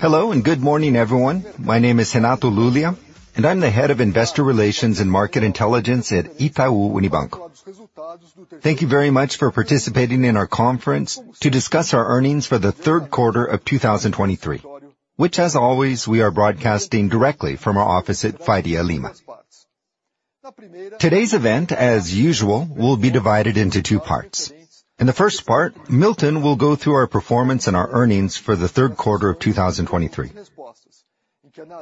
Hello, and good morning, everyone. My name is Renato Lulia, and I'm the Head of Investor Relations and Market Intelligence at Itaú Unibanco. Thank you very much for participating in our conference to discuss our earnings for the third quarter of 2023, which, as always, we are broadcasting directly from our office at Faria Lima. Today's event, as usual, will be divided into two parts. In the first part, Milton will go through our performance and our earnings for the third quarter of 2023.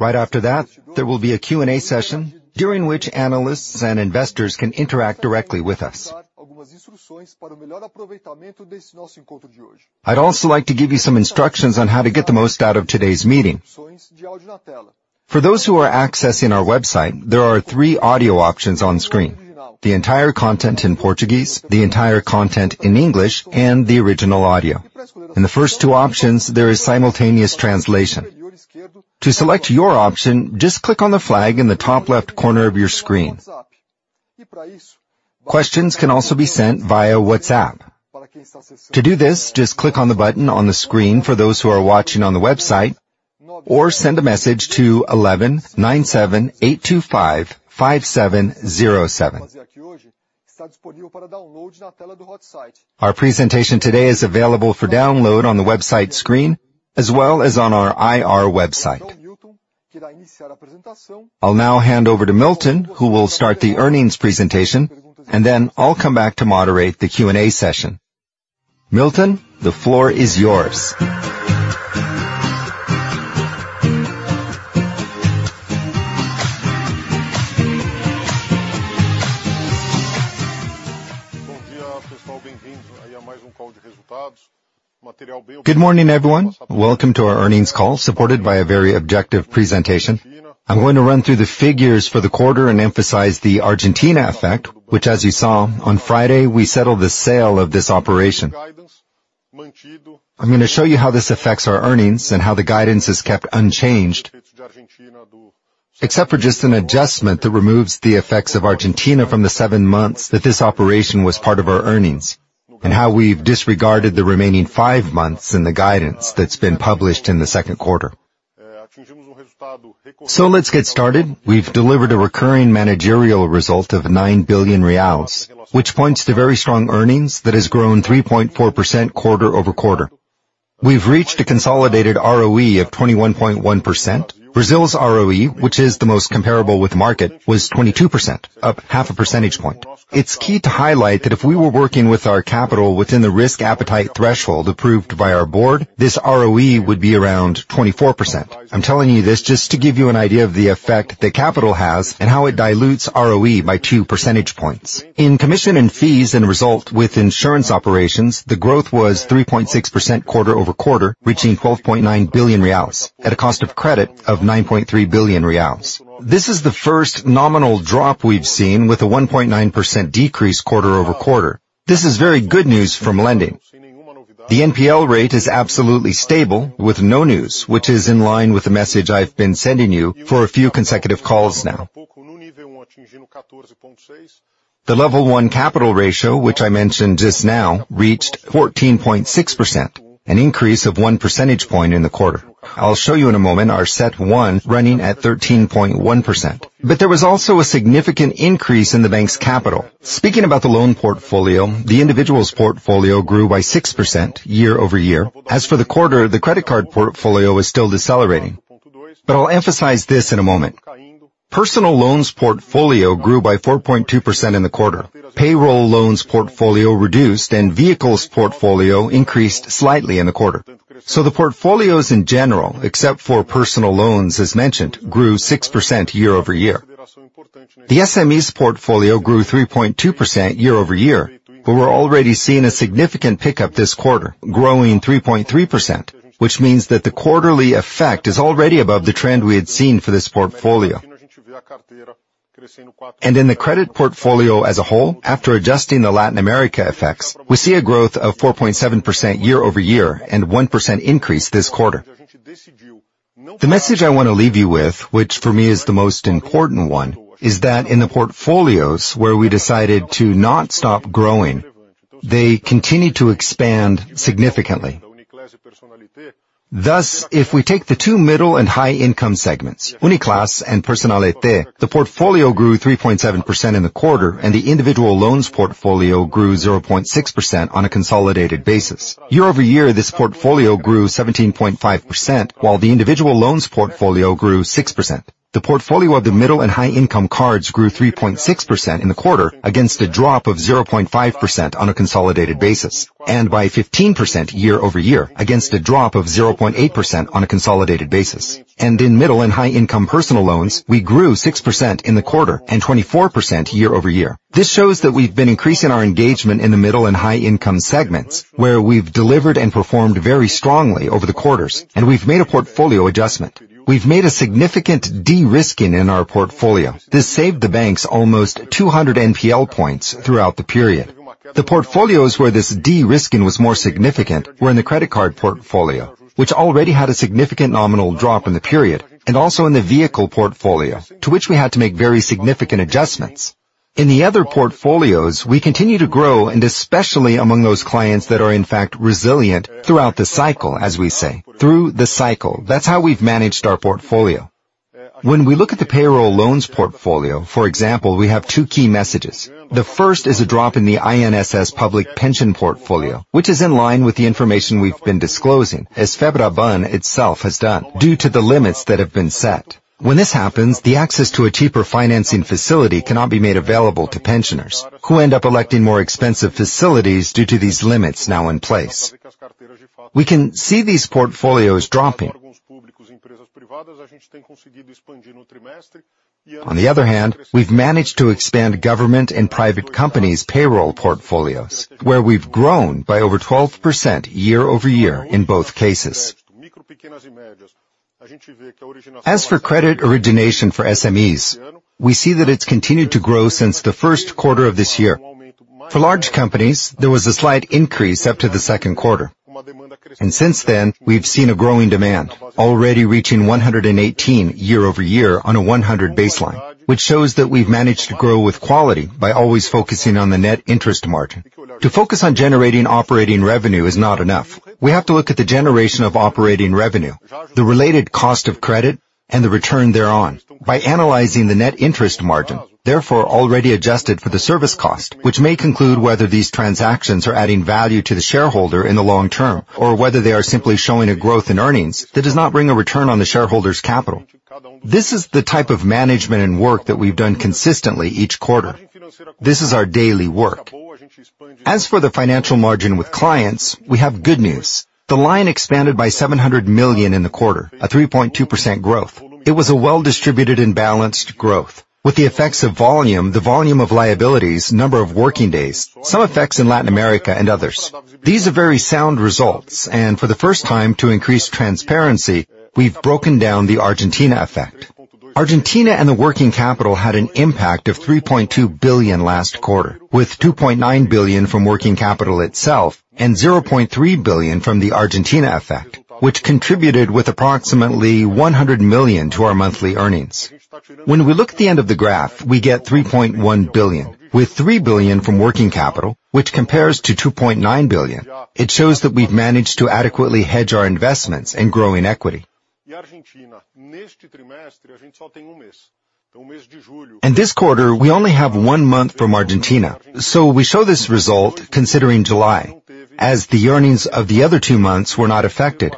Right after that, there will be a Q&A session, during which analysts and investors can interact directly with us. I'd also like to give you some instructions on how to get the most out of today's meeting. For those who are accessing our website, there are three audio options on screen: the entire content in Portuguese, the entire content in English, and the original audio. In the first two options, there is simultaneous translation. To select your option, just click on the flag in the top left corner of your screen. Questions can also be sent via WhatsApp. To do this, just click on the button on the screen for those who are watching on the website, or send a message to 11978255707. Our presentation today is available for download on the website screen, as well as on our IR website. I'll now hand over to Milton, who will start the earnings presentation, and then I'll come back to moderate the Q&A session. Milton, the floor is yours. Good morning everone. Welcome to our earnings call, supported by a very objective presentation. I'm going to run through the figures for the quarter and emphasize the Argentina effect, which, as you saw on Friday, we settled the sale of this operation. I'm gonna show you how this affects our earnings and how the guidance is kept unchanged, except for just an adjustment that removes the effects of Argentina from the seven months that this operation was part of our earnings, and how we've disregarded the remaining five months in the guidance that's been published in the second quarter. So let's get started. We've delivered a recurring managerial result of 9 billion reais, which points to very strong earnings that has grown 3.4% quarter-over-quarter. We've reached a consolidated ROE of 21.1%. Brazil's ROE, which is the most comparable with market, was 22%, up 0.5 percentage points. It's key to highlight that if we were working with our capital within the risk appetite threshold approved by our board, this ROE would be around 24%. I'm telling you this just to give you an idea of the effect that capital has and how it dilutes ROE by 2 percentage points. In commission and fees and result with insurance operations, the growth was 3.6% quarter-over-quarter, reaching 12.9 billion reais at a cost of credit of 9.3 billion reais. This is the first nominal drop we've seen with a 1.9% decrease quarter-over-quarter. This is very good news from lending. The NPL rate is absolutely stable, with no news, which is in line with the message I've been sending you for a few consecutive calls now. The Tier 1 capital ratio, which I mentioned just now, reached 14.6%, an increase of 1 percentage point in the quarter. I'll show you in a moment our CET1 running at 13.1%. But there was also a significant increase in the bank's capital. Speaking about the loan portfolio, the individuals' portfolio grew by 6% year-over-year. As for the quarter, the credit card portfolio is still decelerating, but I'll emphasize this in a moment. Personal loans portfolio grew by 4.2% in the quarter. Payroll loans portfolio reduced and vehicles portfolio increased slightly in the quarter. So the portfolios in general, except for personal loans as mentioned, grew 6% year-over-year. The SMEs portfolio grew 3.2% year-over-year, but we're already seeing a significant pickup this quarter, growing 3.3%, which means that the quarterly effect is already above the trend we had seen for this portfolio. And in the credit portfolio as a whole, after adjusting the Latin America effects, we see a growth of 4.7% year-over-year and 1% increase this quarter. The message I want to leave you with, which for me is the most important one, is that in the portfolios where we decided to not stop growing, they continued to expand significantly. Thus, if we take the two middle and high-income segments, Uniclass and Personnalité, the portfolio grew 3.7% in the quarter, and the individual loans portfolio grew 0.6% on a consolidated basis. Year-over-year, this portfolio grew 17.5%, while the individual loans portfolio grew 6%. The portfolio of the middle and high-income cards grew 3.6% in the quarter, against a drop of 0.5% on a consolidated basis, and by 15% year-over-year, against a drop of 0.8% on a consolidated basis. In middle and high-income personal loans, we grew 6% in the quarter and 24% year-over-year. This shows that we've been increasing our engagement in the middle and high-income segments, where we've delivered and performed very strongly over the quarters, and we've made a portfolio adjustment. We've made a significant de-risking in our portfolio. This saved the banks almost 200 NPL points throughout the period. The portfolios where this de-risking was more significant were in the credit card portfolio, which already had a significant nominal drop in the period, and also in the vehicle portfolio, to which we had to make very significant adjustments. In the other portfolios, we continue to grow, and especially among those clients that are, in fact, resilient throughout the cycle, as we say. Through the cycle, that's how we've managed our portfolio. When we look at the payroll loans portfolio, for example, we have two key messages. The first is a drop in the INSS public pension portfolio, which is in line with the information we've been disclosing, as Febraban itself has done, due to the limits that have been set. When this happens, the access to a cheaper financing facility cannot be made available to pensioners, who end up electing more expensive facilities due to these limits now in place. We can see these portfolios dropping. On the other hand, we've managed to expand government and private companies' payroll portfolios, where we've grown by over 12% year-over-year in both cases. As for credit origination for SMEs, we see that it's continued to grow since the first quarter of this year. For large companies, there was a slight increase up to the second quarter, and since then, we've seen a growing demand, already reaching 118 year-over-year on a 100 baseline, which shows that we've managed to grow with quality by always focusing on the net interest margin. To focus on generating operating revenue is not enough. We have to look at the generation of operating revenue, the related cost of credit, and the return thereon. By analyzing the net interest margin, therefore, already adjusted for the service cost, which may conclude whether these transactions are adding value to the shareholder in the long term, or whether they are simply showing a growth in earnings that does not bring a return on the shareholder's capital. This is the type of management and work that we've done consistently each quarter. This is our daily work. As for the financial margin with clients, we have good news. The line expanded by 700 million in the quarter, a 3.2% growth. It was a well-distributed and balanced growth with the effects of volume, the volume of liabilities, number of working days, some effects in Latin America and others. These are very sound results, and for the first time, to increase transparency, we've broken down the Argentina effect. Argentina and the working capital had an impact of 3.2 billion last quarter, with 2.9 billion from working capital itself and 0.3 billion from the Argentina effect, which contributed with approximately 100 million to our monthly earnings. When we look at the end of the graph, we get 3.1 billion, with 3 billion from working capital, which compares to 2.9 billion. It shows that we've managed to adequately hedge our investments in growing equity. In this quarter, we only have one month from Argentina, so we show this result considering July, as the earnings of the other two months were not affected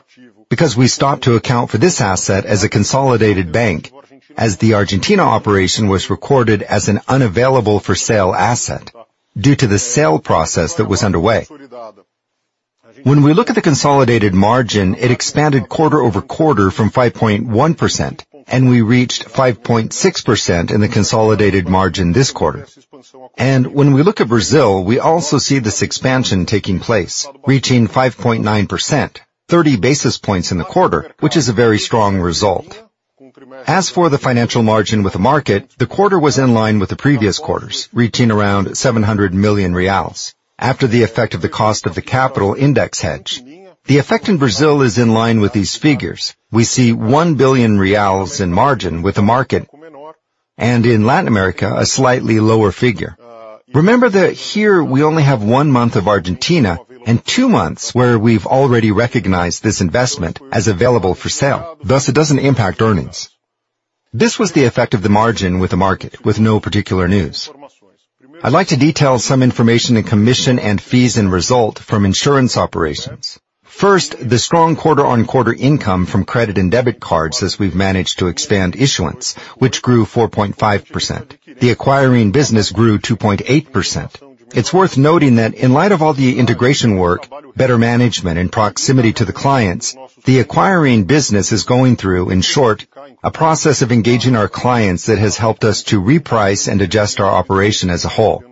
because we stopped to account for this asset as a consolidated bank, as the Argentina operation was recorded as an available-for-sale asset due to the sale process that was underway. When we look at the consolidated margin, it expanded quarter-over-quarter from 5.1%, and we reached 5.6% in the consolidated margin this quarter. When we look at Brazil, we also see this expansion taking place, reaching 5.9%, 30 basis points in the quarter, which is a very strong result. As for the financial margin with the market, the quarter was in line with the previous quarters, reaching around BRL 700 million after the effect of the cost of the capital index hedge. The effect in Brazil is in line with these figures. We see 1 billion reais in margin with the market, and in Latin America, a slightly lower figure. Remember that here we only have one month of Argentina and two months where we've already recognized this investment as available for sale, thus, it doesn't impact earnings. This was the effect of the margin with the market with no particular news. I'd like to detail some information in commission and fees and result from insurance operations. First, the strong quarter-on-quarter income from credit and debit cards as we've managed to expand issuance, which grew 4.5%. The acquiring business grew 2.8%. It's worth noting that in light of all the integration work, better management, and proximity to the clients, the acquiring business is going through, in short, a process of engaging our clients that has helped us to reprice and adjust our operation as a whole.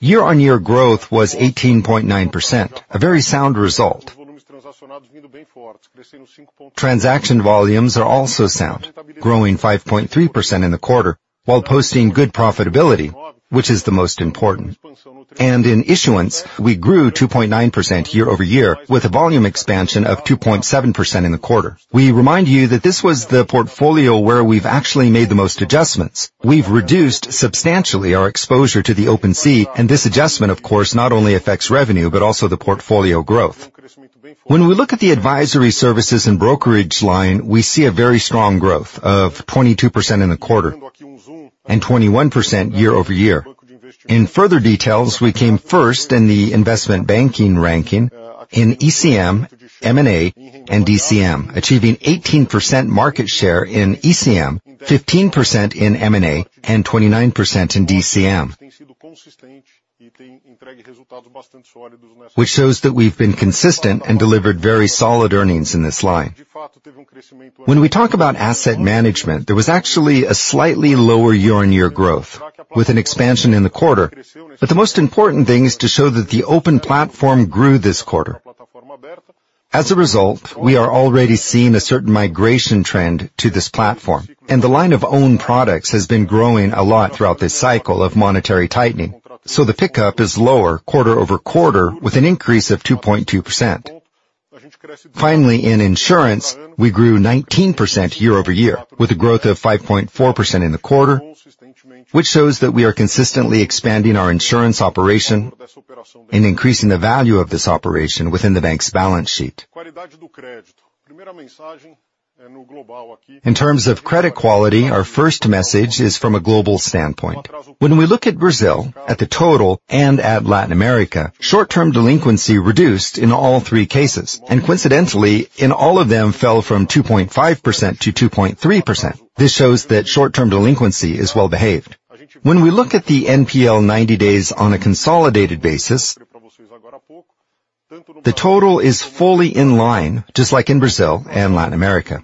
Year-on-year growth was 18.9%, a very sound result. Transaction volumes are also sound, growing 5.3% in the quarter, while posting good profitability, which is the most important. In issuance, we grew 2.9% year-over-year, with a volume expansion of 2.7% in the quarter. We remind you that this was the portfolio where we've actually made the most adjustments. We've reduced substantially our exposure to the open sea, and this adjustment, of course, not only affects revenue, but also the portfolio growth. When we look at the advisory services and brokerage line, we see a very strong growth of 22% in a quarter and 21% year-over-year. In further details, we came first in the investment banking ranking in ECM, M&A, and DCM, achieving 18% market share in ECM, 15% in M&A, and 29% in DCM, which shows that we've been consistent and delivered very solid earnings in this line. When we talk about asset management, there was actually a slightly lower year-on-year growth with an expansion in the quarter. But the most important thing is to show that the open platform grew this quarter. As a result, we are already seeing a certain migration trend to this platform, and the line of own products has been growing a lot throughout this cycle of monetary tightening, so the pickup is lower quarter-over-quarter, with an increase of 2.2%. Finally, in insurance, we grew 19% year-over-year, with a growth of 5.4% in the quarter, which shows that we are consistently expanding our insurance operation and increasing the value of this operation within the bank's balance sheet. In terms of credit quality, our first message is from a global standpoint. When we look at Brazil, at the total, and at Latin America, short-term delinquency reduced in all three cases, and coincidentally, in all of them, fell from 2.5%-2.3%. This shows that short-term delinquency is well behaved. When we look at the NPL 90 days on a consolidated basis, the total is fully in line, just like in Brazil and Latin America.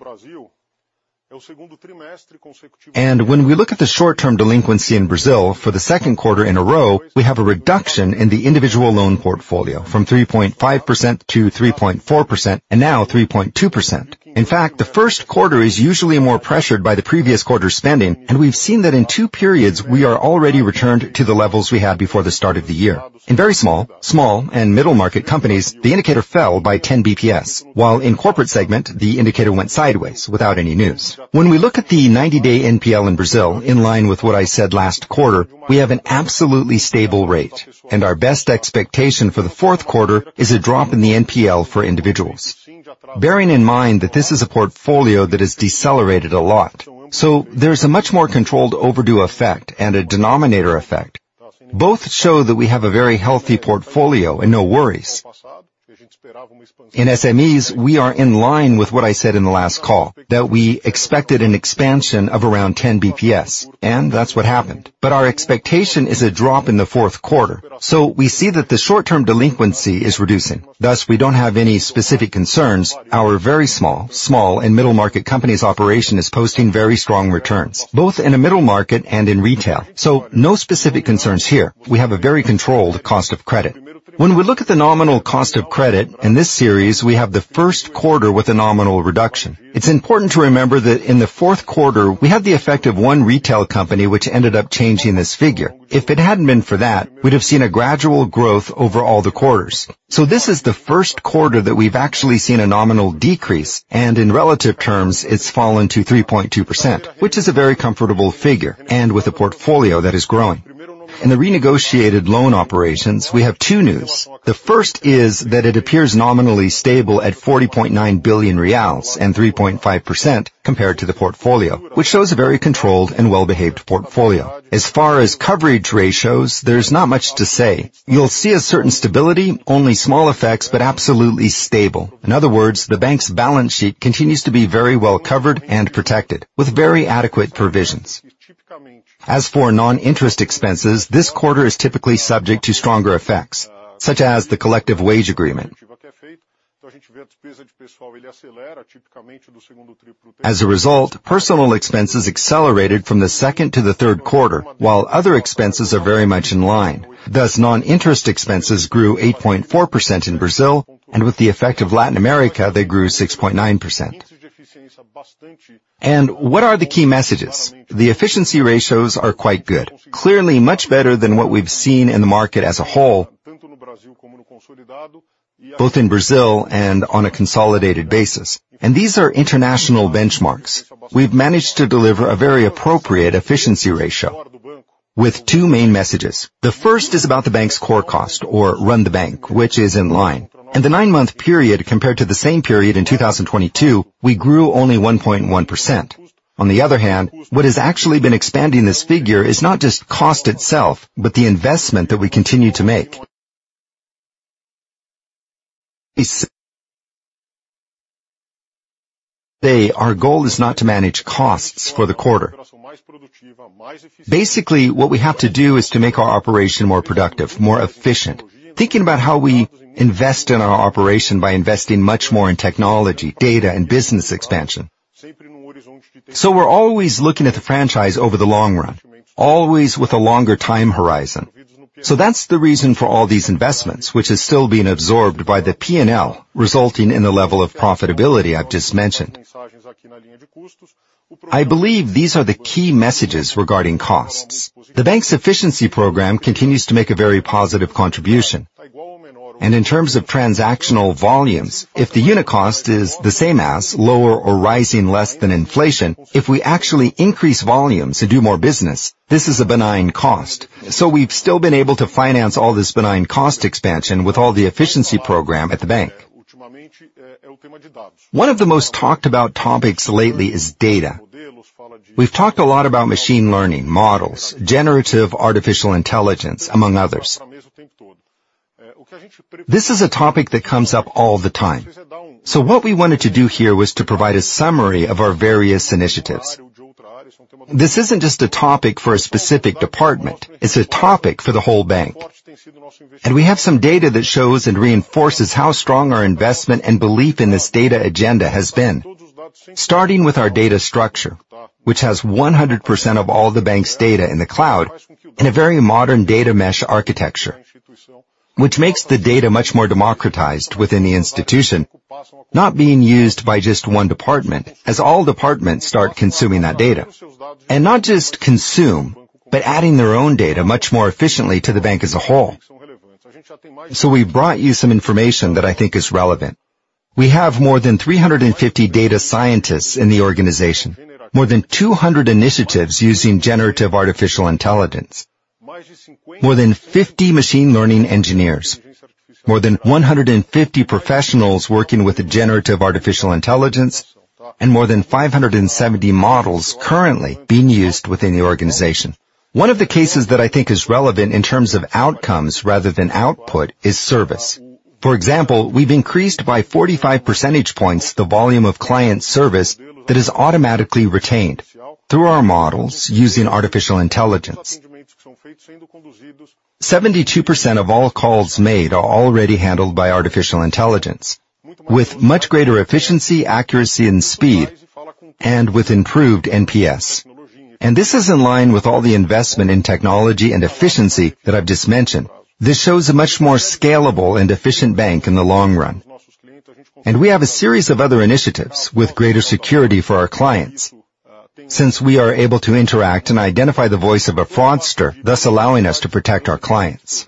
And when we look at the short-term delinquency in Brazil for the second quarter in a row, we have a reduction in the individual loan portfolio from 3.5%-3.4%, and now 3.2%. In fact, the first quarter is usually more pressured by the previous quarter's spending, and we've seen that in two periods, we are already returned to the levels we had before the start of the year. In very small, small, and middle-market companies, the indicator fell by 10 BPS, while in corporate segment, the indicator went sideways without any news. When we look at the 90-day NPL in Brazil, in line with what I said last quarter, we have an absolutely stable rate, and our best expectation for the fourth quarter is a drop in the NPL for individuals. Bearing in mind that this is a portfolio that has decelerated a lot, so there's a much more controlled overdue effect and a denominator effect. Both show that we have a very healthy portfolio and no worries. In SMEs, we are in line with what I said in the last call, that we expected an expansion of around 10 BPS, and that's what happened. But our expectation is a drop in the fourth quarter. So we see that the short-term delinquency is reducing, thus, we don't have any specific concerns. Our very small, small, and middle market company's operation is posting very strong returns, both in the middle market and in retail. So no specific concerns here. We have a very controlled cost of credit. When we look at the nominal cost of credit, in this series, we have the first quarter with a nominal reduction. It's important to remember that in the fourth quarter, we had the effect of one retail company, which ended up changing this figure. If it hadn't been for that, we'd have seen a gradual growth over all the quarters. So this is the first quarter that we've actually seen a nominal decrease, and in relative terms, it's fallen to 3.2%, which is a very comfortable figure, and with a portfolio that is growing. In the renegotiated loan operations, we have two news. The first is that it appears nominally stable at BRL 40.9 billion and 3.5% compared to the portfolio, which shows a very controlled and well-behaved portfolio. As far as coverage ratios, there's not much to say. You'll see a certain stability, only small effects, but absolutely stable. In other words, the bank's balance sheet continues to be very well covered and protected, with very adequate provisions. As for non-interest expenses, this quarter is typically subject to stronger effects, such as the collective wage agreement. As a result, personal expenses accelerated from the second to the third quarter, while other expenses are very much in line. Thus, non-interest expenses grew 8.4% in Brazil, and with the effect of Latin America, they grew 6.9%. And what are the key messages? The efficiency ratios are quite good. Clearly, much better than what we've seen in the market as a whole, both in Brazil and on a consolidated basis, and these are international benchmarks. We've managed to deliver a very appropriate efficiency ratio with two main messages. The first is about the bank's core cost or run the bank, which is in line. In the nine-month period, compared to the same period in 2022, we grew only 1.1%. On the other hand, what has actually been expanding this figure is not just cost itself, but the investment that we continue to make. Our goal is not to manage costs for the quarter. Basically, what we have to do is to make our operation more productive, more efficient, thinking about how we invest in our operation by investing much more in technology, data, and business expansion. So we're always looking at the franchise over the long run, always with a longer time horizon. So that's the reason for all these investments, which is still being absorbed by the P&L, resulting in the level of profitability I've just mentioned. I believe these are the key messages regarding costs. The bank's efficiency program continues to make a very positive contribution, and in terms of transactional volumes, if the unit cost is the same as, lower or rising less than inflation, if we actually increase volumes and do more business, this is a benign cost. So we've still been able to finance all this benign cost expansion with all the efficiency program at the bank. One of the most talked about topics lately is data. We've talked a lot about machine learning, models, generative artificial intelligence, among others. This is a topic that comes up all the time. So what we wanted to do here was to provide a summary of our various initiatives. This isn't just a topic for a specific department, it's a topic for the whole bank. And we have some data that shows and reinforces how strong our investment and belief in this data agenda has been. Starting with our data structure, which has 100% of all the bank's data in the cloud, in a very modern data mesh architecture, which makes the data much more democratized within the institution, not being used by just one department, as all departments start consuming that data. And not just consume, but adding their own data much more efficiently to the bank as a whole. So we've brought you some information that I think is relevant. We have more than 350 data scientists in the organization, more than 200 initiatives using generative artificial intelligence, more than 50 machine learning engineers, more than 150 professionals working with generative artificial intelligence, and more than 570 models currently being used within the organization. One of the cases that I think is relevant in terms of outcomes rather than output, is service. For example, we've increased by 45 percentage points the volume of client service that is automatically retained through our models using artificial intelligence. 72% of all calls made are already handled by artificial intelligence with much greater efficiency, accuracy, and speed, and with improved NPS. And this is in line with all the investment in technology and efficiency that I've just mentioned. This shows a much more scalable and efficient bank in the long run. We have a series of other initiatives with greater security for our clients. Since we are able to interact and identify the voice of a fraudster, thus allowing us to protect our clients.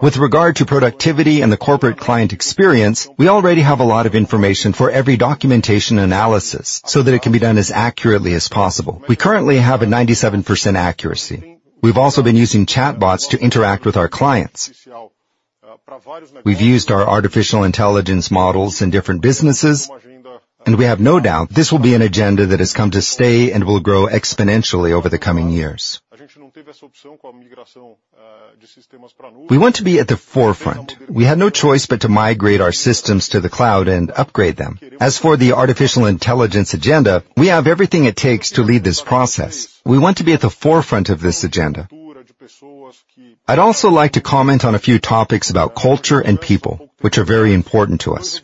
With regard to productivity and the corporate client experience, we already have a lot of information for every documentation analysis so that it can be done as accurately as possible. We currently have a 97% accuracy. We've also been using chatbots to interact with our clients. We've used our artificial intelligence models in different businesses, and we have no doubt this will be an agenda that has come to stay and will grow exponentially over the coming years. We want to be at the forefront. We had no choice but to migrate our systems to the cloud and upgrade them. As for the artificial intelligence agenda, we have everything it takes to lead this process. We want to be at the forefront of this agenda. I'd also like to comment on a few topics about culture and people, which are very important to us.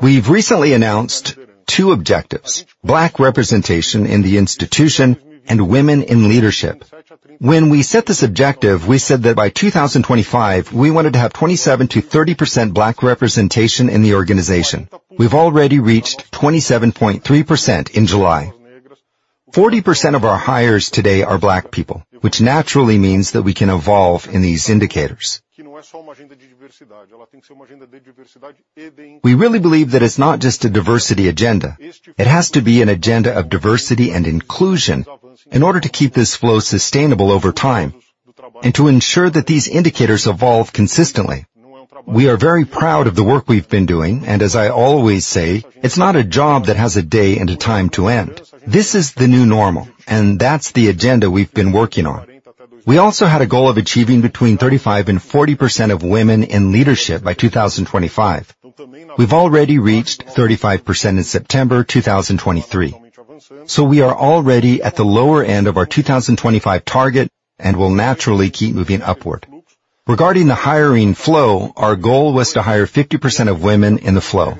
We've recently announced two objectives: Black representation in the institution and women in leadership. When we set this objective, we said that by 2025, we wanted to have 27%-30% Black representation in the organization. We've already reached 27.3% in July. 40% of our hires today are Black people, which naturally means that we can evolve in these indicators. We really believe that it's not just a diversity agenda. It has to be an agenda of diversity and inclusion in order to keep this flow sustainable over time, and to ensure that these indicators evolve consistently. We are very proud of the work we've been doing, and as I always say, it's not a job that has a day and a time to end. This is the new normal, and that's the agenda we've been working on. We also had a goal of achieving between 35% and 40% of women in leadership by 2025. We've already reached 35% in September 2023. So we are already at the lower end of our 2025 target, and will naturally keep moving upward. Regarding the hiring flow, our goal was to hire 50% of women in the flow.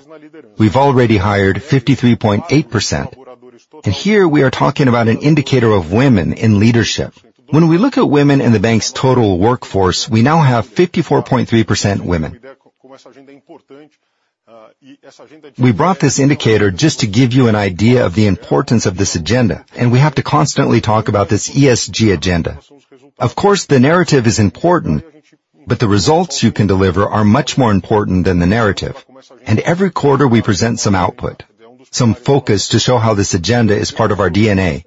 We've already hired 53.8%, and here we are talking about an indicator of women in leadership. When we look at women in the bank's total workforce, we now have 54.3% women. We brought this indicator just to give you an idea of the importance of this agenda, and we have to constantly talk about this ESG agenda. Of course, the narrative is important, but the results you can deliver are much more important than the narrative. Every quarter, we present some output, some focus to show how this agenda is part of our DNA,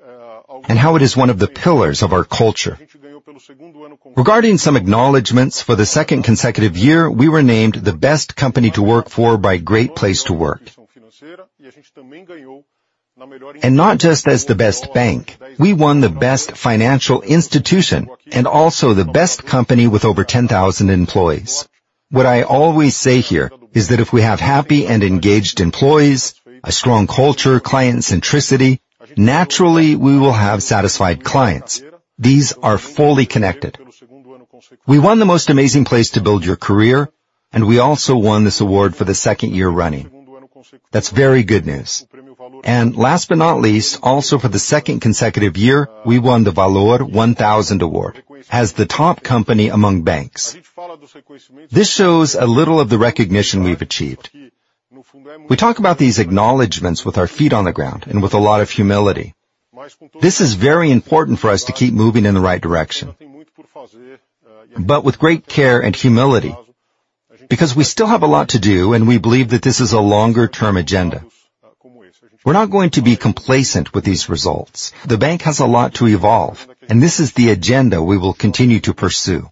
and how it is one of the pillars of our culture. Regarding some acknowledgments, for the second consecutive year, we were named the Best Company to Work for by Great Place to Work. Not just as the best bank, we won the best financial institution and also the best company with over 10,000 employees. What I always say here is that if we have happy and engaged employees, a strong culture, client centricity, naturally, we will have satisfied clients. These are fully connected. We won the most amazing place to build your career, and we also won this award for the second year running. That's very good news. Last but not least, also for the second consecutive year, we won the Valor 1000 Award, as the top company among banks. This shows a little of the recognition we've achieved. We talk about these acknowledgments with our feet on the ground and with a lot of humility. This is very important for us to keep moving in the right direction, but with great care and humility, because we still have a lot to do, and we believe that this is a longer term agenda. We're not going to be complacent with these results. The bank has a lot to evolve, and this is the agenda we will continue to pursue.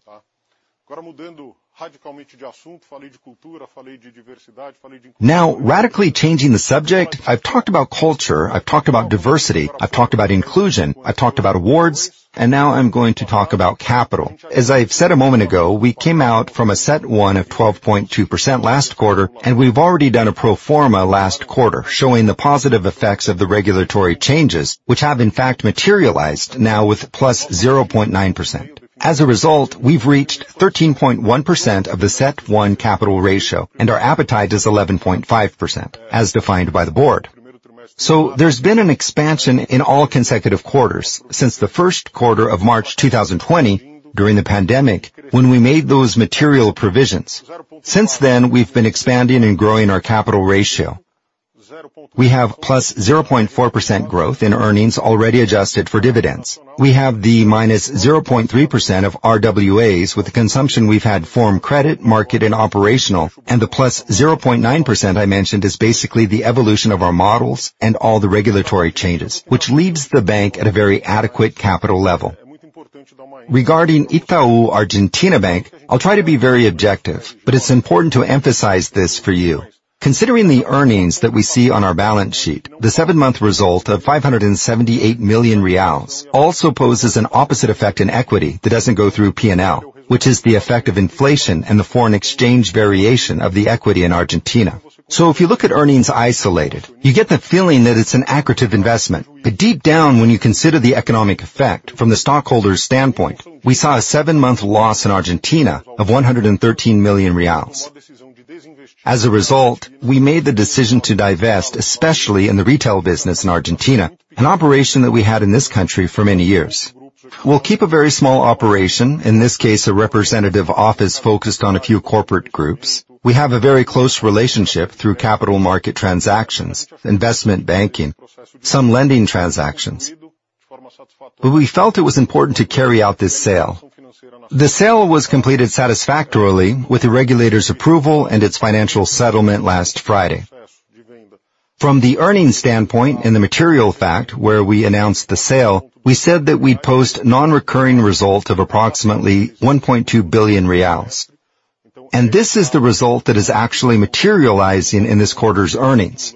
Now, radically changing the subject, I've talked about culture, I've talked about diversity, I've talked about inclusion, I've talked about awards, and now I'm going to talk about capital. As I've said a moment ago, we came out from a CET1 of 12.2% last quarter, and we've already done a pro forma last quarter, showing the positive effects of the regulatory changes, which have in fact materialized now with +0.9%. As a result, we've reached 13.1% of the CET1 capital ratio, and our appetite is 11.5%, as defined by the board. So there's been an expansion in all consecutive quarters since the first quarter of March 2020, during the pandemic, when we made those material provisions. Since then, we've been expanding and growing our capital ratio. We have +0.4% growth in earnings already adjusted for dividends. We have the -0.3% of RWAs, with the consumption we've had from credit, market, and operational, and the +0.9% I mentioned is basically the evolution of our models and all the regulatory changes, which leaves the bank at a very adequate capital level. Regarding Itaú Argentina Bank, I'll try to be very objective, but it's important to emphasize this for you. Considering the earnings that we see on our balance sheet, the seven-month result of BRL 578 million also poses an opposite effect in equity that doesn't go through P&L, which is the effect of inflation and the foreign exchange variation of the equity in Argentina. So if you look at earnings isolated, you get the feeling that it's an accretive investment. But deep down, when you consider the economic effect from the stockholders' standpoint, we saw a seven-month loss in Argentina of 113 million reais. As a result, we made the decision to divest, especially in the retail business in Argentina, an operation that we had in this country for many years. We'll keep a very small operation, in this case, a representative office focused on a few corporate groups. We have a very close relationship through capital market transactions, investment banking, some lending transactions, but we felt it was important to carry out this sale. The sale was completed satisfactorily with the regulator's approval and its financial settlement last Friday. From the earnings standpoint and the material fact where we announced the sale, we said that we'd post non-recurring result of approximately 1.2 billion reais, and this is the result that is actually materializing in this quarter's earnings.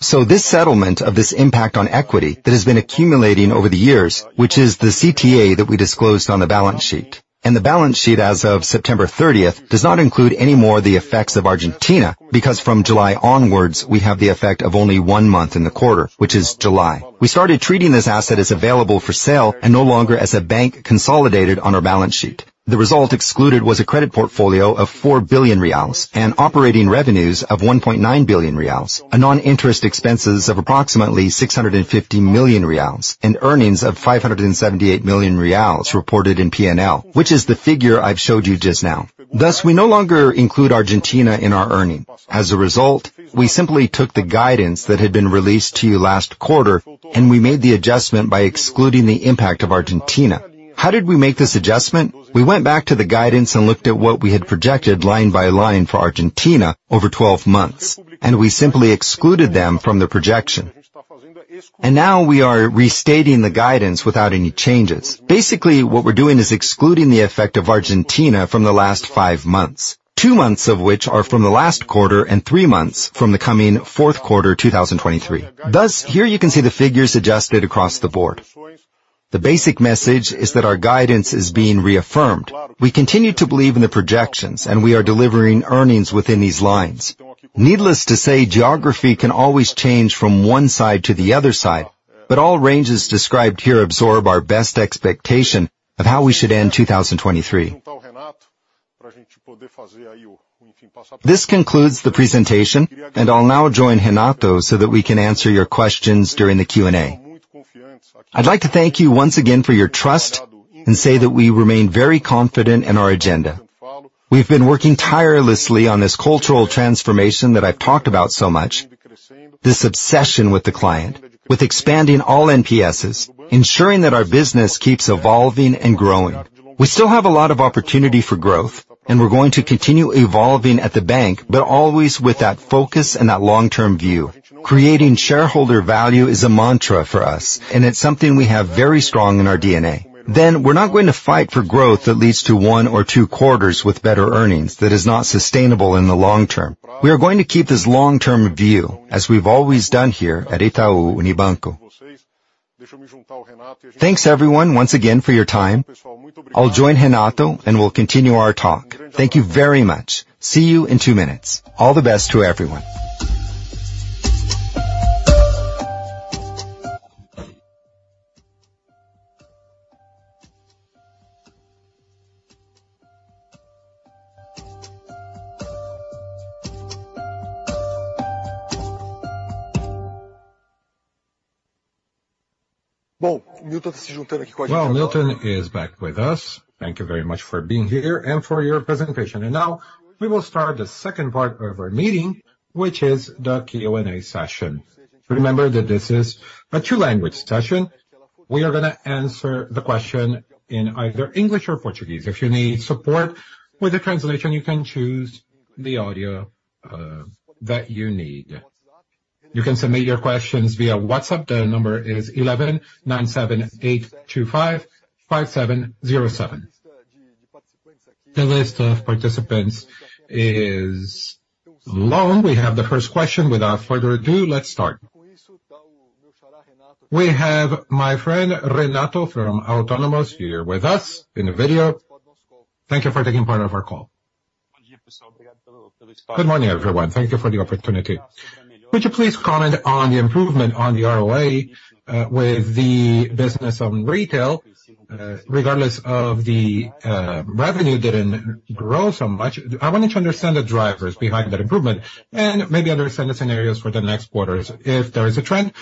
So this settlement of this impact on equity that has been accumulating over the years, which is the CTA that we disclosed on the balance sheet. The balance sheet as of September, 30th does not include any more of the effects of Argentina, because from July onwards, we have the effect of only one month in the quarter, which is July. We started treating this asset as available for sale and no longer as a bank consolidated on our balance sheet. The result excluded was a credit portfolio of 4 billion reais and operating revenues of 1.9 billion reais, a non-interest expenses of approximately 650 million reais, and earnings of 578 million reais reported in P&L, which is the figure I've showed you just now. Thus, we no longer include Argentina in our earnings. As a result, we simply took the guidance that had been released to you last quarter, and we made the adjustment by excluding the impact of Argentina. How did we make this adjustment? We went back to the guidance and looked at what we had projected line by line for Argentina over 12 months, and we simply excluded them from the projection. Now we are restating the guidance without any changes. Basically, what we're doing is excluding the effect of Argentina from the last five months, two months of which are from the last quarter and thre months from the coming fourth quarter, 2023. Thus, here you can see the figures adjusted across the board. The basic message is that our guidance is being reaffirmed. We continue to believe in the projections, and we are delivering earnings within these lines. Needless to say, geography can always change from one side to the other side, but all ranges described here absorb our best expectation of how we should end 2023. This concludes the presentation, and I'll now join Renato so that we can answer your questions during the Q&A. I'd like to thank you once again for your trust and say that we remain very confident in our agenda. We've been working tirelessly on this cultural transformation that I've talked about so much, this obsession with the client, with expanding all NPSs, ensuring that our business keeps evolving and growing. We still have a lot of opportunity for growth, and we're going to continue evolving at the bank, but always with that focus and that long-term view. Creating shareholder value is a mantra for us, and it's something we have very strong in our DNA. We're not going to fight for growth that leads to one or two quarters with better earnings that is not sustainable in the long term. We are going to keep this long-term view, as we've always done here at Itaú Unibanco. Thanks, everyone, once again for your time. I'll join Renato, and we'll continue our talk. Thank you very much. See you in two minutes. All the best to everyone. Well, Milton is back with us. Thank you very much for being here and for your presentation. Now we will start the second part of our meeting, which is the Q&A session. Remember that this is a two-language session. We are gonna answer the question in either English or Portuguese. If you need support with the translation, you can choose the audio that you need. You can submit your questions via WhatsApp. The number is 11 978 255 707. The list of participants is long. We have the first question. Without further ado, let's start. We have my friend, Renato, from Autonomous here with us in the video. Thank you for taking part of our call. Good morning, everyone. Thank you for the opportunity. Would you please comment on the improvement on the ROA, with the business on retail, regardless of the revenue didn't grow so much? I wanted to understand the drivers behind that improvement and maybe understand the scenarios for the next quarters. If there is a trend-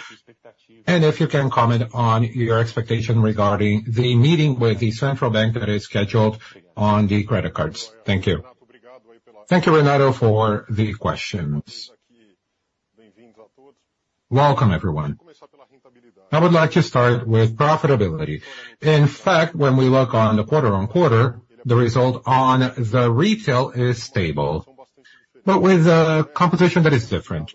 -and if you can comment on your expectation regarding the meeting with the central bank that is scheduled on the credit cards. Thank you. Thank you, Renato, for the questions. Welcome, everyone. I would like to start with profitability. In fact, when we look on the quarter-on-quarter, the result on the retail is stable, but with a competition that is different.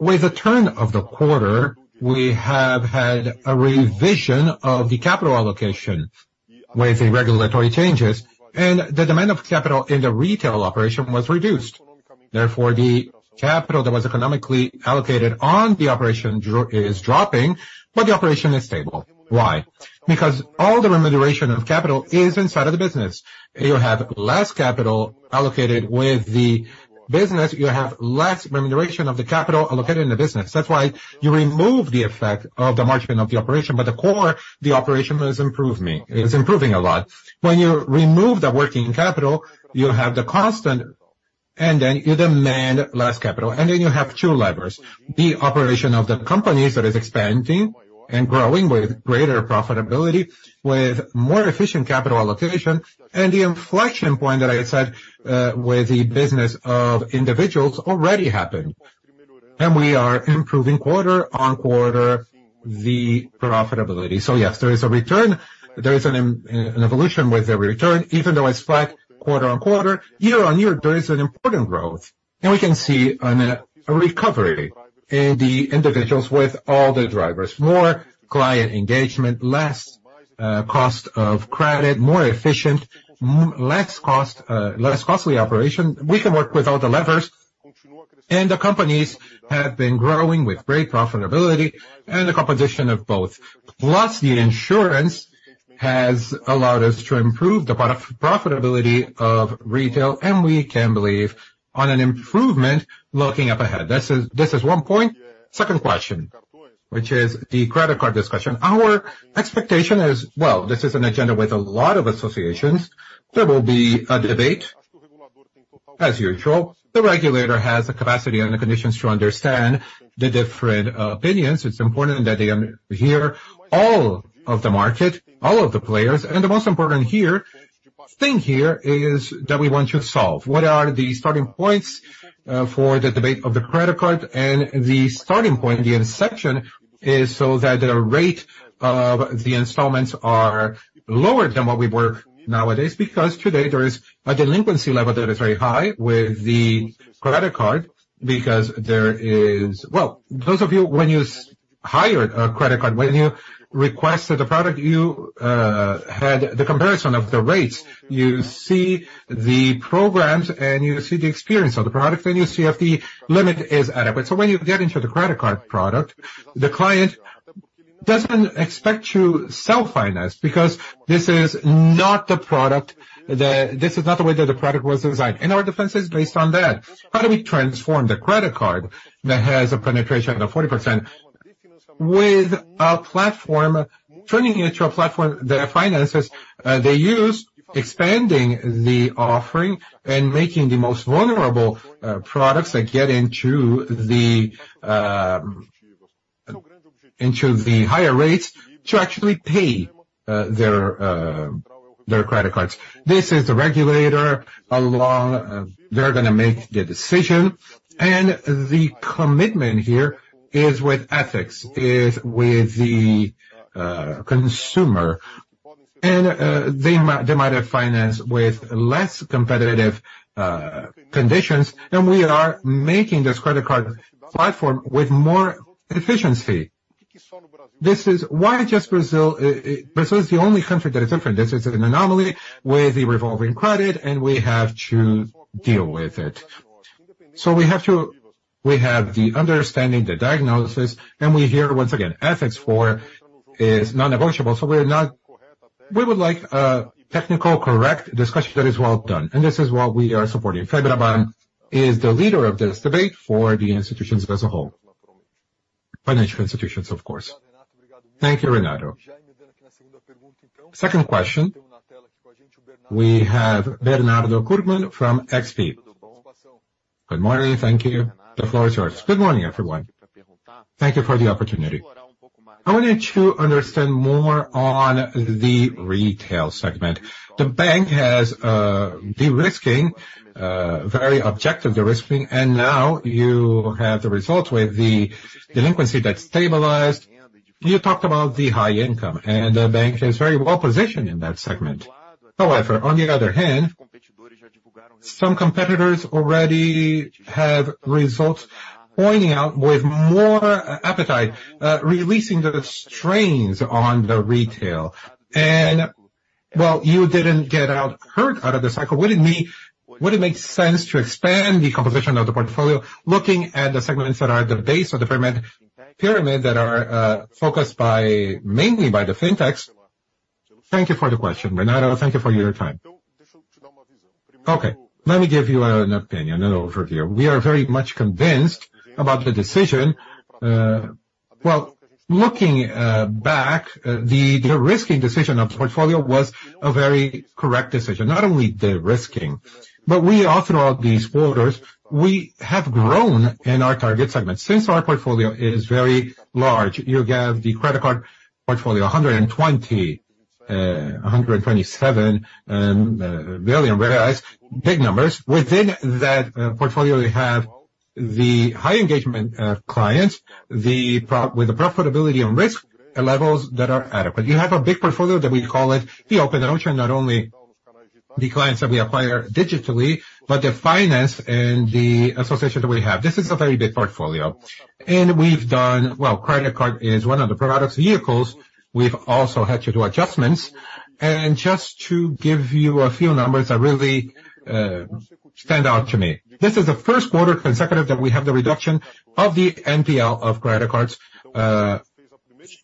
With the turn of the quarter, we have had a revision of the capital allocation with the regulatory changes, and the demand of capital in the retail operation was reduced. Therefore, the capital that was economically allocated on the operation is dropping, but the operation is stable. Why? Because all the remuneration of capital is inside of the business. You have less capital allocated with the business, you have less remuneration of the capital allocated in the business. That's why you remove the effect of the margin of the operation, but the core, the operation, is improving. It's improving a lot. When you remove the working capital, you have the constant, and then you demand less capital, and then you have two levers. The operation of the companies that is expanding and growing with greater profitability, with more efficient capital allocation, and the inflection point that I said, with the business of individuals already happened. And we are improving quarter-over-quarter, the profitability. So yes, there is a return. There is an, an evolution with the return, even though it's flat quarter-over-quarter. Year-on-year, there is an important growth, and we can see on a recovery in the individuals with all the drivers, more client engagement, less, cost of credit, more efficient, less cost, less costly operation. We can work with all the levers, and the companies have been growing with great profitability and the competition of both. Plus, the insurance has allowed us to improve the product profitability of retail, and we can believe on an improvement looking up ahead. This is one point. Second question, which is the credit card discussion. Our expectation is, well, this is an agenda with a lot of associations. There will be a debate. As usual, the regulator has the capacity and the conditions to understand the different opinions. It's important that they hear all of the market, all of the players, and the most important here, thing here, is that we want to solve what are the starting points for the debate of the credit card. The starting point, the inception, is so that the rate of the installments are lower than what we work nowadays. Because today there is a delinquency level that is very high with the credit card, because there is... Well, those of you, when you hire a credit card, when you request the product, you have the comparison of the rates, you see the programs, and you see the experience of the product, and you see if the limit is adequate. So when you get into the credit card product, the client doesn't expect to self-finance, because this is not the product, this is not the way that the product was designed. And our defense is based on that. How do we transform the credit card that has a penetration of 40% with a platform, turning it into a platform that finances the use, expanding the offering and making the most vulnerable products that get into the higher rates to actually pay their credit cards. This is the regulator, along... They're gonna make the decision, and the commitment here is with ethics, is with the consumer. They might have financed with less competitive conditions, and we are making this credit card platform with more efficiency. This is. Why just Brazil? Brazil is the only country that is different. This is an anomaly with the revolving credit, and we have to deal with it. We have the understanding, the diagnosis, and we hear once again, ethics first is non-negotiable. So we're not-- We would like a technical, correct discussion that is well done, and this is what we are supporting. Febraban is the leader of this debate for the institutions as a whole. Financial institutions, of course. Thank you, Renato. Second question. We have Bernardo Guttmann from XP. Good morning. Thank you. The floor is yours. Good morning, everyone. Thank you for the opportunity. I wanted to understand more on the retail segment. The bank has de-risking very objective de-risking, and now you have the results with the delinquency that stabilized. You talked about the high income, and the bank is very well positioned in that segment. However, on the other hand, some competitors already have results pointing out with more appetite, releasing the strains on the retail. And, well, you didn't get out hurt out of the cycle. Would it make sense to expand the composition of the portfolio, looking at the segments that are the base of the pyramid, that are focused by, mainly by the Fintechs? Thank you for the question, Bernardo. Thank you for your time. Okay, let me give you an opinion, an overview. We are very much convinced about the decision. Well, looking back, the de-risking decision of the portfolio was a very correct decision, not only de-risking, but we, all throughout these quarters, we have grown in our target segment. Since our portfolio is very large, you have the credit card portfolio, 120-... 127 billion BRL, big numbers. Within that, portfolio, we have the high engagement, clients, with the profitability and risk levels that are adequate. You have a big portfolio, that we call it the open ocean, not only the clients that we acquire digitally, but the finance and the association that we have. This is a very big portfolio, and we've done. Well, credit card is one of the products, vehicles. We've also had to do adjustments. And just to give you a few numbers that really, stand out to me. This is the first quarter consecutive that we have the reduction of the NPL of credit cards.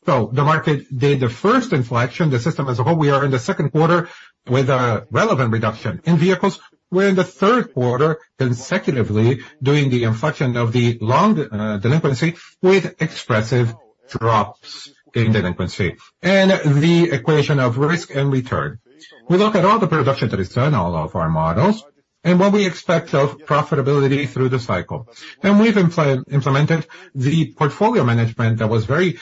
So the market did the first inflection, the system as a whole, we are in the second quarter with a relevant reduction. In vehicles, we're in the third quarter, consecutively, doing the inflection of the long delinquency, with expressive drops in delinquency. And the equation of risk and return. We look at all the production that is done, all of our models, and what we expect of profitability through the cycle. And we've implemented the portfolio management that was very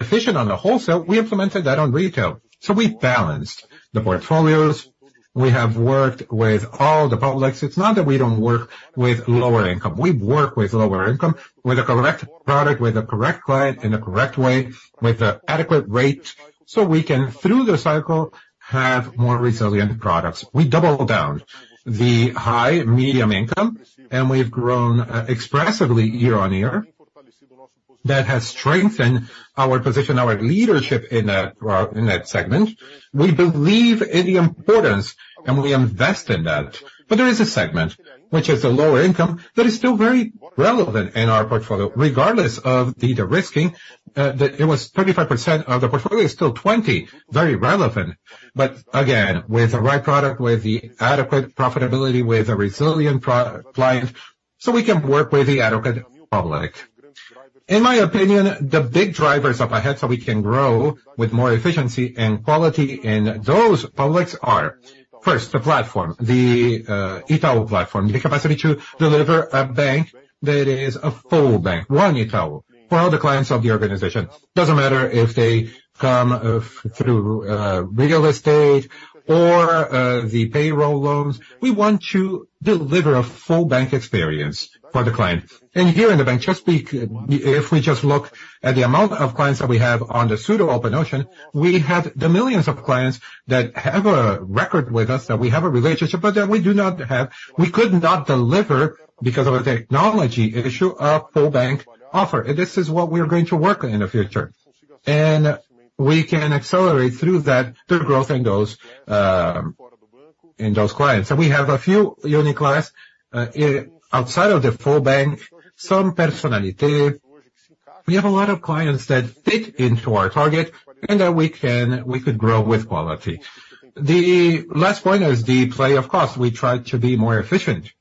efficient on the wholesale. We implemented that on retail. So we balanced the portfolios. We have worked with all the publics. It's not that we don't work with lower income. We work with lower income, with the correct product, with the correct client, in the correct way, with the adequate rate, so we can, through the cycle, have more resilient products. We double down the high, medium income, and we've grown expressively year on year. That has strengthened our position, our leadership in that segment. We believe in the importance, and we invest in that. But there is a segment, which is a lower income, that is still very relevant in our portfolio, regardless of the de-risking, the—it was 35% of the portfolio, is still 20%, very relevant. But again, with the right product, with the adequate profitability, with a resilient pro-client, so we can work with the adequate public. In my opinion, the big drivers up ahead, so we can grow with more efficiency and quality in those publics are, first, the platform, the Itaú platform. The capacity to deliver a bank that is a full bank, One Itaú, for all the clients of the organization. Doesn't matter if they come through real estate or the payroll loans. We want to deliver a full bank experience for the client. Here in the bank, just, if we just look at the amount of clients that we have on the pseudo-open accounts, we have the millions of clients that have a record with us, that we have a relationship, but that we do not have, we could not deliver because of a technology issue, a full bank offer. This is what we are going to work on in the future. We can accelerate through that, the growth in those clients. We have a few unique clients outside of the full bank, some Personnalité. We have a lot of clients that fit into our target, and that we can grow with quality. The last point is the cost play. We try to be more efficient.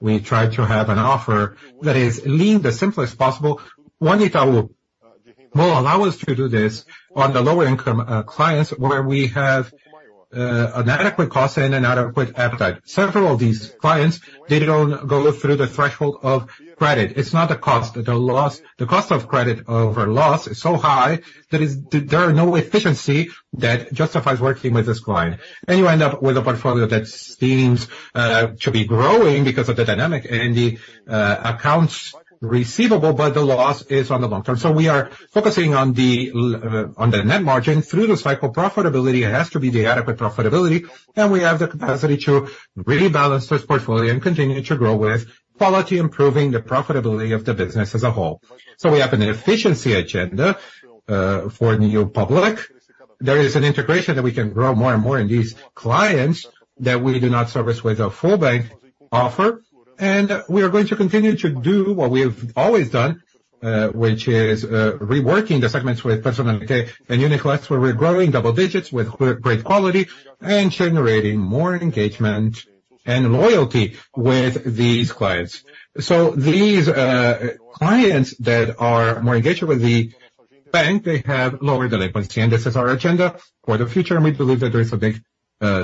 We try to have an offer that is lean, the simplest possible. One Itaú will allow us to do this on the lower income clients, where we have an adequate cost and an adequate appetite. Several of these clients, they don't go through the threshold of credit. It's not the cost, the loss. The cost of credit over loss is so high that is, there are no efficiency that justifies working with this client. You end up with a portfolio that seems to be growing because of the dynamic and the accounts receivable, but the loss is on the long term. We are focusing on the net margin. Through the cycle, profitability, it has to be the adequate profitability, and we have the capacity to rebalance this portfolio and continue to grow with quality, improving the profitability of the business as a whole. So we have an efficiency agenda for the new public. There is an integration that we can grow more and more in these clients that we do not service with a full bank offer. And we are going to continue to do what we have always done, which is reworking the segments with Personnalité and Uniclass, where we're growing double digits with great quality and generating more engagement and loyalty with these clients. So these clients that are more engaged with the bank, they have lower delinquency, and this is our agenda for the future, and we believe that there is a big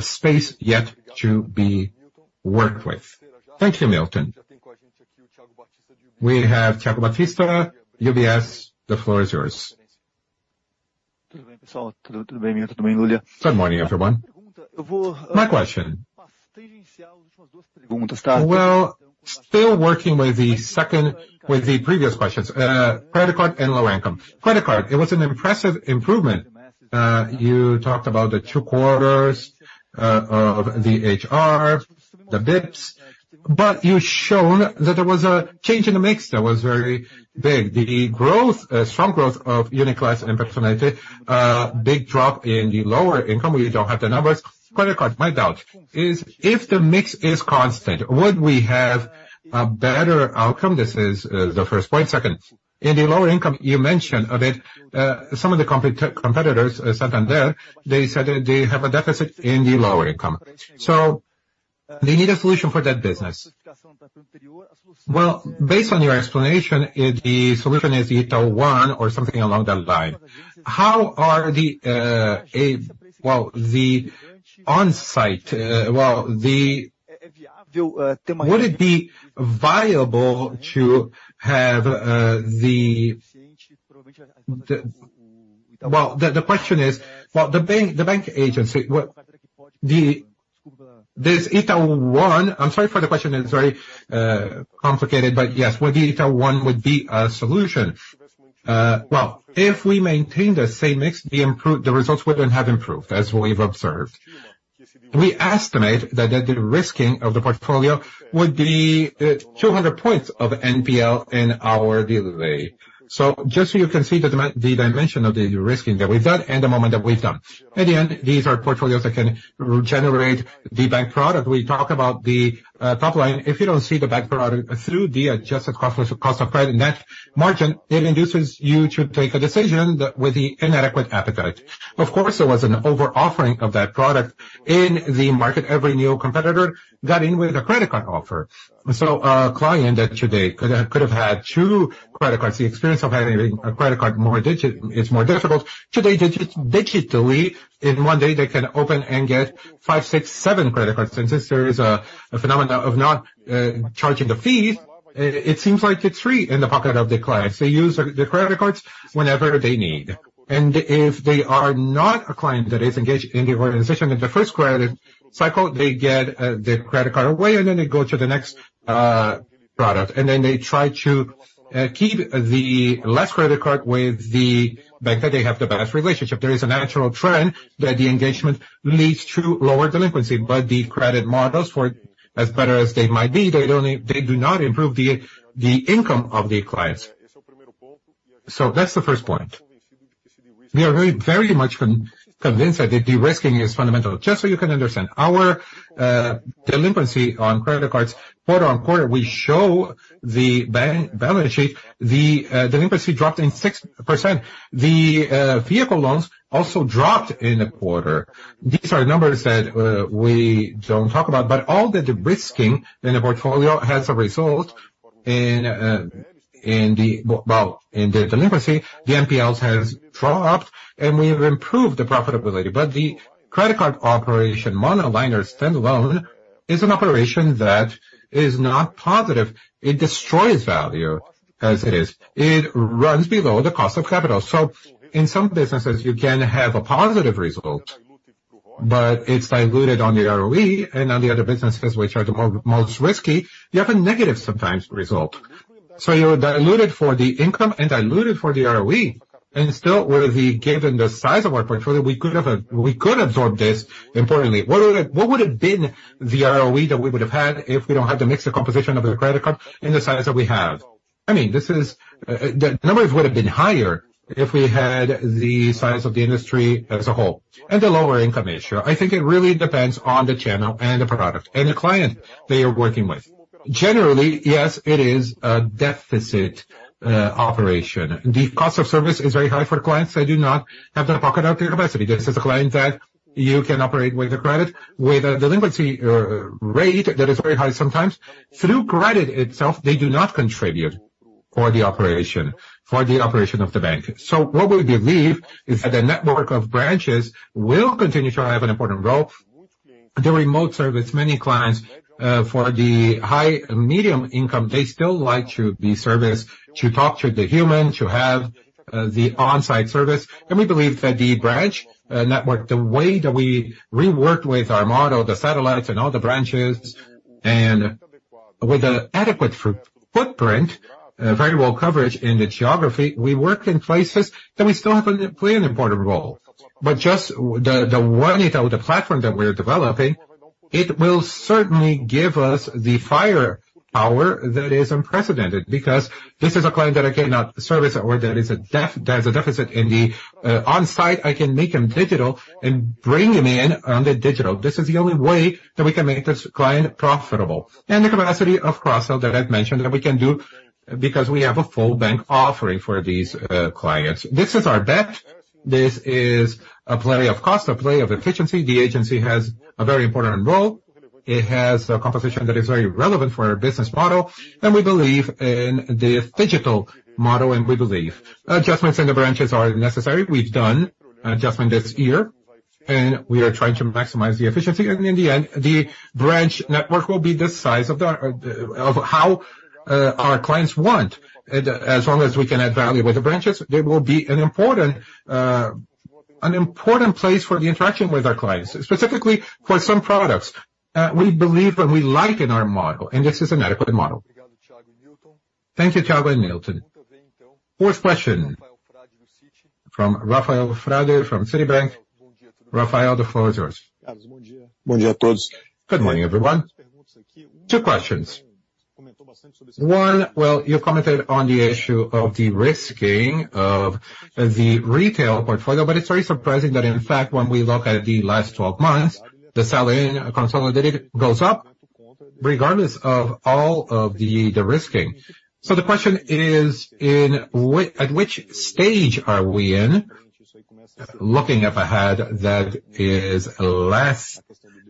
space yet to be worked with. Thank you, Milton. We have Thiago Batista, UBS. The floor is yours. Good morning, everyone. My question... Well, still working with the previous questions, credit card and low income. Credit card, it was an impressive improvement. You talked about the two quarters of the HR, the BIPs, but you shown that there was a change in the mix that was very big. The growth, strong growth of Uniclass and Personnalité, big drop in the lower income, we don't have the numbers. Credit card, my doubt, is if the mix is constant, would we have a better outcome? This is the first point. Second, in the lower income, you mentioned that some of the competitors, Santander, they said they have a deficit in the lower income, so they need a solution for that business. Well, based on your explanation, the solution is One Itaú or something along that line. How are the on-site... Would it be viable to have the? Well, the question is, well, the bank, the bank agency. This Itaú One, I'm sorry for the question, it's very complicated, but yes, whether Itaú One would be a solution. Well, if we maintain the same mix, the results wouldn't have improved, that's what we've observed. We estimate that the de-risking of the portfolio would be 200 points of NPL in our delivery. So just so you can see the dimension of the de-risking that we've done, and the moment that we've done. At the end, these are portfolios that can generate the bank product. We talk about the top line. If you don't see the bank product through the adjusted cost, cost of credit net margin, it induces you to take a decision that with the inadequate appetite. Of course, there was an over offering of that product in the market. Every new competitor got in with a credit card offer. So a client that today could have had two credit cards, the experience of having a credit card more digital is more difficult. Today, digitally, in one day, they can open and get five, six, seven credit cards. Since there is a phenomenon of not charging the fees, it seems like it's free in the pocket of the clients. They use the credit cards whenever they need, and if they are not a client that is engaged in the organization, in the first credit cycle, they get the credit card away, and then they go to the next product, and then they try to keep the last credit card with the bank that they have the best relationship. There is a natural trend that the engagement leads to lower delinquency, but the credit models for as better as they might be, they don't, they do not improve the income of the clients. So that's the first point. We are very, very much convinced that the de-risking is fundamental. Just so you can understand, our delinquency on credit cards, quarter-on-quarter, we show the balance sheet, the delinquency dropped in 6%. The vehicle loans also dropped in a quarter. These are numbers that we don't talk about, but all the de-risking in the portfolio has a result in in the... Well, in the delinquency, the NPLs has dropped, and we've improved the profitability. But the credit card operation, monoliner standalone, is an operation that is not positive. It destroys value, as it is. It runs below the cost of capital. So in some businesses, you can have a positive result, but it's diluted on the ROE and on the other businesses, which are the more, most risky, you have a negative, sometimes, result. So you're diluted for the income and diluted for the ROE, and still, with the given the size of our portfolio, we could have, we could absorb this. Importantly, what would it, what would have been the ROE that we would have had if we don't have the mix of composition of the credit card in the size that we have? I mean, this is, the numbers would have been higher if we had the size of the industry as a whole, and the lower income ratio. I think it really depends on the channel and the product and the client they are working with. Generally, yes, it is a deficit operation. The cost of service is very high for clients that do not have the pocket out capacity. This is a client that you can operate with the credit, with a delinquency rate that is very high sometimes. Through credit itself, they do not contribute for the operation, for the operation of the bank. So what we believe is that the network of branches will continue to have an important role. The remote service, many clients, for the high medium income, they still like to be serviced, to talk to the human, to have, the on-site service. And we believe that the branch, network, the way that we reworked with our model, the satellites and all the branches, and with the adequate footprint, very well coverage in the geography, we work in places that we still play an important role. But just the One Itaú, the platform that we're developing, it will certainly give us the fire power that is unprecedented, because this is a client that I cannot service or that is a deficit in the on-site. I can make them digital and bring them in on the digital. This is the only way that we can make this client profitable. And the capacity of Crossell that I've mentioned, that we can do, because we have a full bank offering for these, clients. This is our bet. This is a play of cost, a play of efficiency. The agency has a very important role. It has a composition that is very relevant for our business model, and we believe in the digital model, and we believe. Adjustments in the branches are necessary. We've done adjustment this year, and we are trying to maximize the efficiency, and in the end, the branch network will be the size of how our clients want. As long as we can add value with the branches, they will be an important, an important place for the interaction with our clients, specifically for some products, we believe and we like in our model, and this is an adequate model. Thank you, Thiago and Milton. Fourth question, from Rafael Frade, from Citibank. Rafael, the floor is yours. Good morning, everyone. Two questions. One, well, you've commented on the issue of the de-risking of the retail portfolio, but it's very surprising that, in fact, when we look at the last 12 months, the selling consolidated goes up regardless of all of the, the de-risking. So the question is, at which stage are we in, looking ahead, that is less,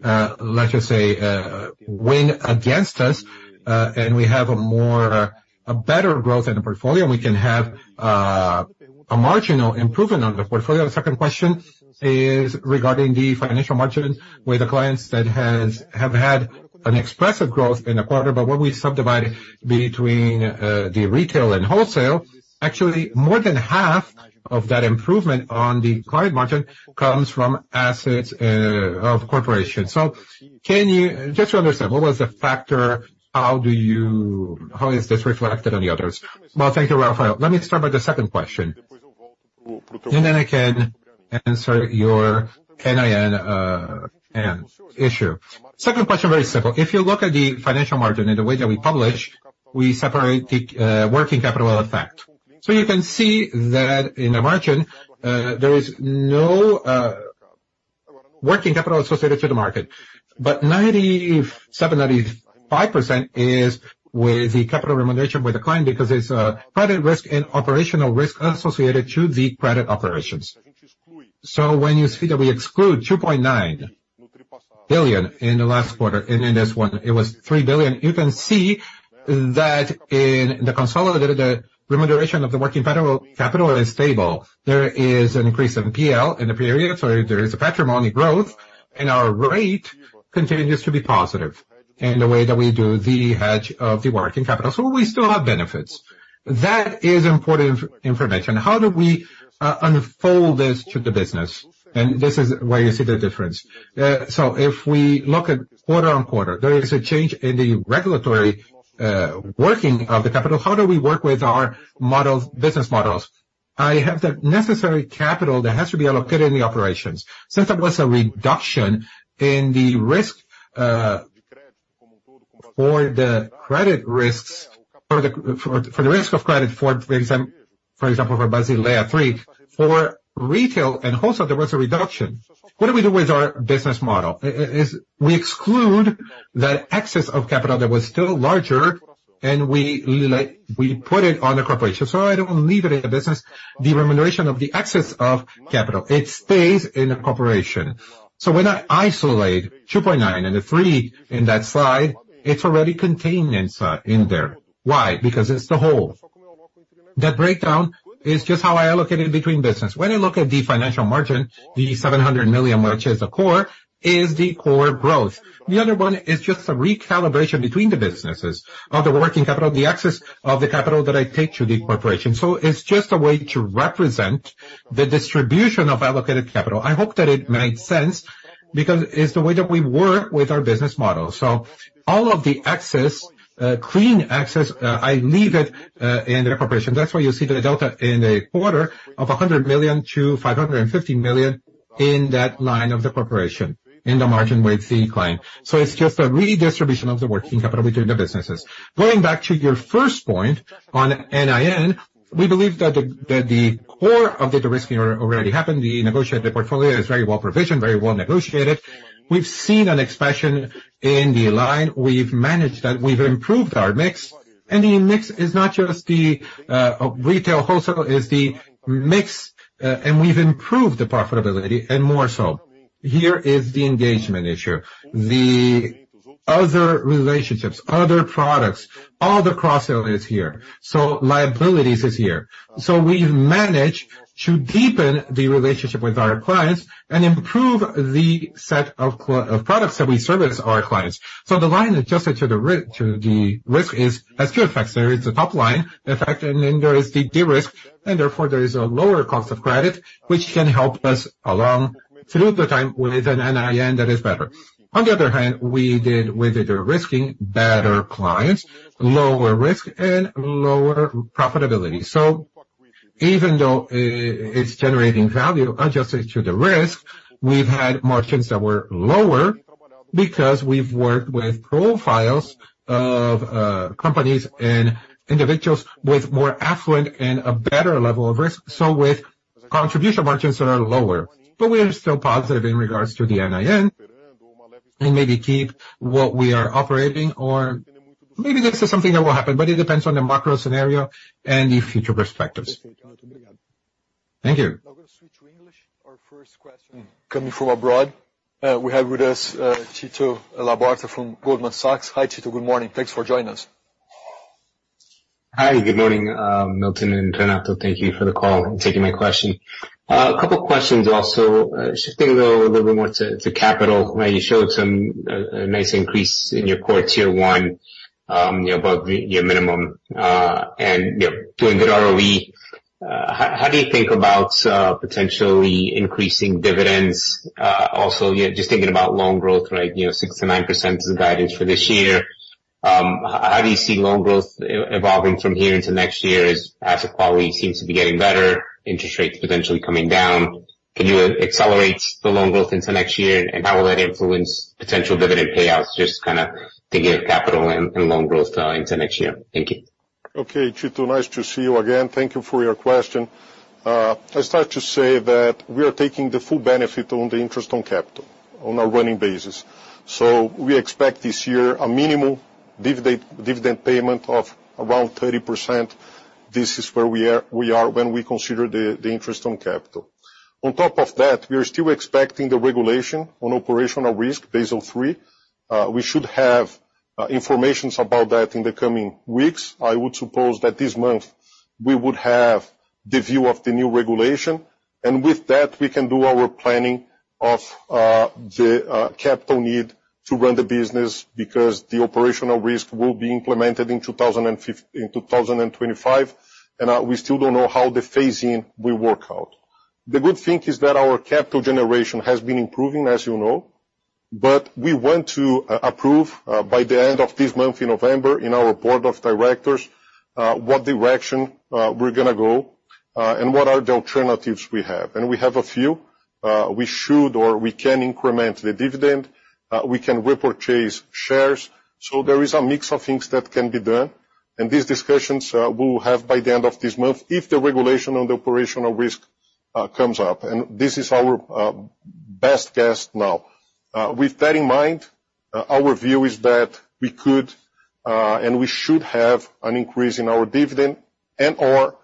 let us say, wind against us, and we have a more, a better growth in the portfolio, we can have,... A marginal improvement on the portfolio. The second question is regarding the financial margin with the clients that has, have had an expressive growth in the quarter, but what we subdivided between the retail and wholesale. Actually, more than half of that improvement on the client margin comes from assets of corporate. So can you just to understand, what was the factor? How do you how is this reflected on the others? Well, thank you, Rafael. Let me start with the second question, and then I can answer your NIM issue. Second question, very simple. If you look at the financial margin in the way that we publish, we separate the working capital effect. So you can see that in the margin, there is no working capital associated to the market, but 97%-95% is with the capital remuneration with the client, because there's a credit risk and operational risk associated to the credit operations. So when you see that we exclude 2.9 billion in the last quarter, and in this one, it was 3 billion, you can see that in the consolidated, the remuneration of the working capital, capital is stable. There is an increase in PL in the period, so there is a patrimony growth, and our rate continues to be positive in the way that we do the hedge of the working capital. So we still have benefits. That is important information. How do we unfold this to the business? And this is where you see the difference. So if we look at quarter-over-quarter, there is a change in the regulatory working of the capital. How do we work with our models, business models? I have the necessary capital that has to be allocated in the operations. Since there was a reduction in the risk for the credit risks, for the risk of credit, for example, for Basel III, for retail and wholesale, there was a reduction. What do we do with our business model? Is we exclude that excess of capital that was still larger, and we, like, we put it on the corporation. So I don't leave it in the business. The remuneration of the excess of capital, it stays in the corporation. So when I isolate 2.9 and the 3 in that slide, it's already contained inside in there. Why? Because it's the whole. The breakdown is just how I allocate it between business. When I look at the financial margin, the 700 million, which is the core, is the core growth. The other one is just a recalibration between the businesses of the working capital, the excess of the capital that I take to the corporation. So it's just a way to represent the distribution of allocated capital. I hope that it made sense, because it's the way that we work with our business model. So all of the excess, clean excess, I leave it, in the corporation. That's why you see the delta in a quarter of 100 million to 550 million in that line of the corporation, in the margin with the client. So it's just a redistribution of the working capital between the businesses. Going back to your first point on NIM, we believe that that the core of the de-risking already happened. The negotiated portfolio is very well provisioned, very well negotiated. We've seen an expression in the line. We've managed that. We've improved our mix, and the mix is not just the retail wholesale, it's the mix, and we've improved the profitability and more so. Here is the engagement issue, the other relationships, other products, all the cross-sell is here, so liabilities is here. So we've managed to deepen the relationship with our clients and improve the set of of products that we service our clients. So the line adjusted to the to the risk is as two effects. There is the top line effect, and then there is the de-risk, and therefore, there is a lower cost of credit, which can help us along through the time with an NIM that is better. On the other hand, we did with the de-risking, better clients, lower risk, and lower profitability. So even though it's generating value adjusted to the risk, we've had margins that were lower because we've worked with profiles of companies and individuals with more affluent and a better level of risk, so with contribution margins that are lower. But we are still positive in regards to the NIM, and maybe keep what we are operating, or maybe this is something that will happen, but it depends on the macro scenario and the future perspectives. Thank you. Now, we're going to switch to English. Our first question coming from abroad, we have with us, Tito Labarta from Goldman Sachs. Hi, Tito, good morning. Thanks for joining us. Hi, good morning, Milton and Renato. Thank you for the call and taking my question. A couple questions also, shifting a little bit more to capital, where you showed some, a nice increase in your core Tier 1, you know, above your minimum, and, you know, doing good ROE. How do you think about potentially increasing dividends? Also, you know, just thinking about loan growth, right? You know, 6%-9% is the guidance for this year. How do you see loan growth evolving from here into next year as asset quality seems to be getting better, interest rates potentially coming down? Can you accelerate the loan growth into next year, and how will that influence potential dividend payouts? Just kind of thinking of capital and loan growth into next year. Thank you. Okay, Tito, nice to see you again. Thank you for your question. I start to say that we are taking the full benefit on the interest on capital on a running basis. So we expect this year a minimal dividend payment of around 30%. This is where we are, we are when we consider the, the interest on capital. On top of that, we are still expecting the regulation on operational risk, Basel III. We should have- ... information about that in the coming weeks. I would suppose that this month, we would have the view of the new regulation, and with that, we can do our planning of the capital need to run the business, because the operational risk will be implemented in 2025, and we still don't know how the phasing will work out. The good thing is that our capital generation has been improving, as you know, but we want to approve by the end of this month, in November, in our board of directors what direction we're gonna go, and what are the alternatives we have. And we have a few. We should or we can increment the dividend, we can repurchase shares. So there is a mix of things that can be done, and these discussions we'll have by the end of this month if the regulation on the operational risk comes up, and this is our best guess now. With that in mind, our view is that we could and we should have an increase in our dividend and/or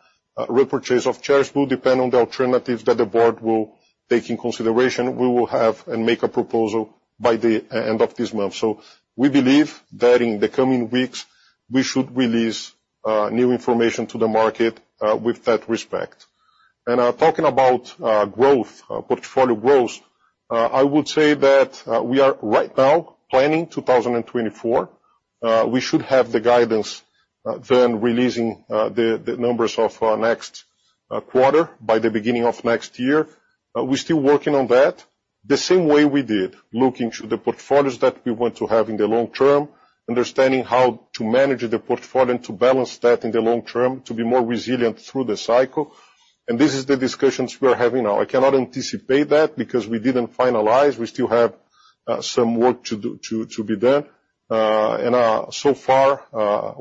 repurchase of shares, will depend on the alternatives that the board will take in consideration. We will have and make a proposal by the end of this month. So we believe that in the coming weeks, we should release new information to the market with that respect. Talking about growth, portfolio growth, I would say that we are right now planning 2024. We should have the guidance, then releasing the numbers of our next quarter by the beginning of next year. We're still working on that. The same way we did, looking to the portfolios that we want to have in the long term, understanding how to manage the portfolio to balance that in the long term, to be more resilient through the cycle, and this is the discussions we are having now. I cannot anticipate that, because we didn't finalize. We still have some work to do, to be done. So far,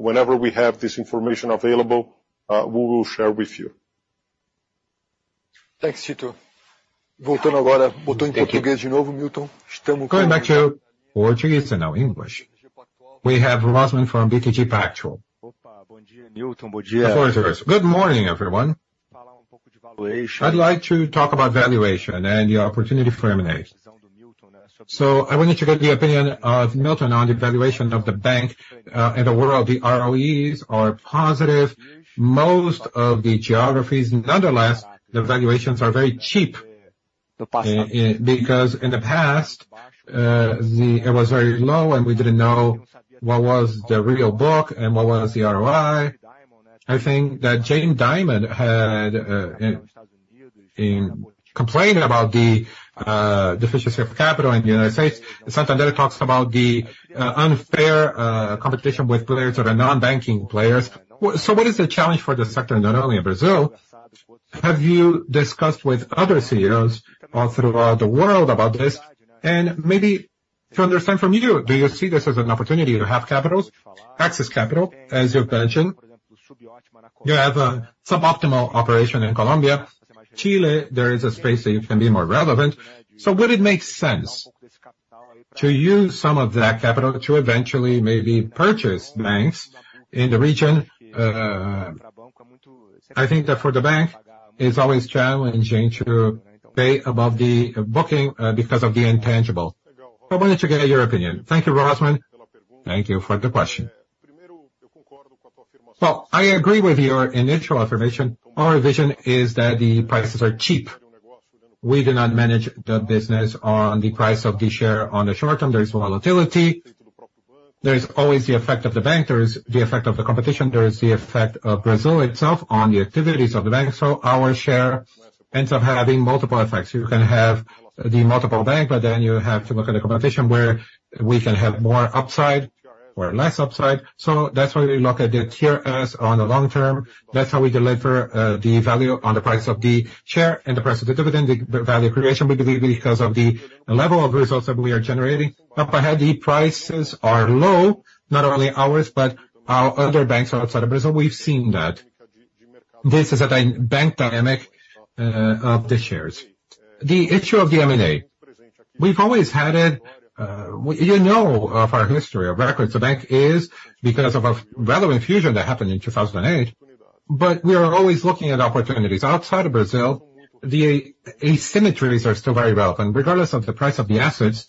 whenever we have this information available, we will share with you. Thanks, Tito. Thank you. Going back to Portuguese and now English. We have Rosman from BTG Pactual. Good morning, everyone. I'd like to talk about valuation and the opportunity for M&A. I wanted to get the opinion of Milton on the valuation of the bank in the world. The ROEs are positive, most of the geographies, nonetheless, the valuations are very cheap because in the past it was very low, and we didn't know what was the real book and what was the ROI. I think that Jamie Dimon had in in complaining about the deficiency of capital in the United States, Santander talks about the unfair competition with players that are non-banking players. So what is the challenge for the sector, not only in Brazil? Have you discussed with other CEOs all throughout the world about this? Maybe to understand from you, do you see this as an opportunity to have capitals, access capital, as you've mentioned? You have a suboptimal operation in Colombia. Chile, there is a space that you can be more relevant. So would it make sense to use some of that capital to eventually maybe purchase banks in the region? I think that for the bank, it's always challenging to pay above the booking, because of the intangible. I wanted to get your opinion. Thank you, Rosman. Thank you for the question. Well, I agree with your initial observation. Our vision is that the prices are cheap. We do not manage the business on the price of the share on the short term. There is volatility. There is always the effect of the bank, there is the effect of the competition, there is the effect of Brazil itself on the activities of the bank. So our share ends up having multiple effects. You can have the multiple bank, but then you have to look at the competition, where we can have more upside or less upside. So that's why we look at the TSR on the long term. That's how we deliver, uh, the value on the price of the share and the price of the dividend, the, the value creation, because of the level of results that we are generating. Up ahead, the prices are low, not only ours, but our other banks outside of Brazil; we've seen that. This is a bank dynamic of the shares. The issue of the M&A, we've always had it. You know, of our history, our record, the bank is because of a value infusion that happened in 2008, but we are always looking at opportunities. Outside of Brazil, the asymmetries are still very relevant. Regardless of the price of the assets,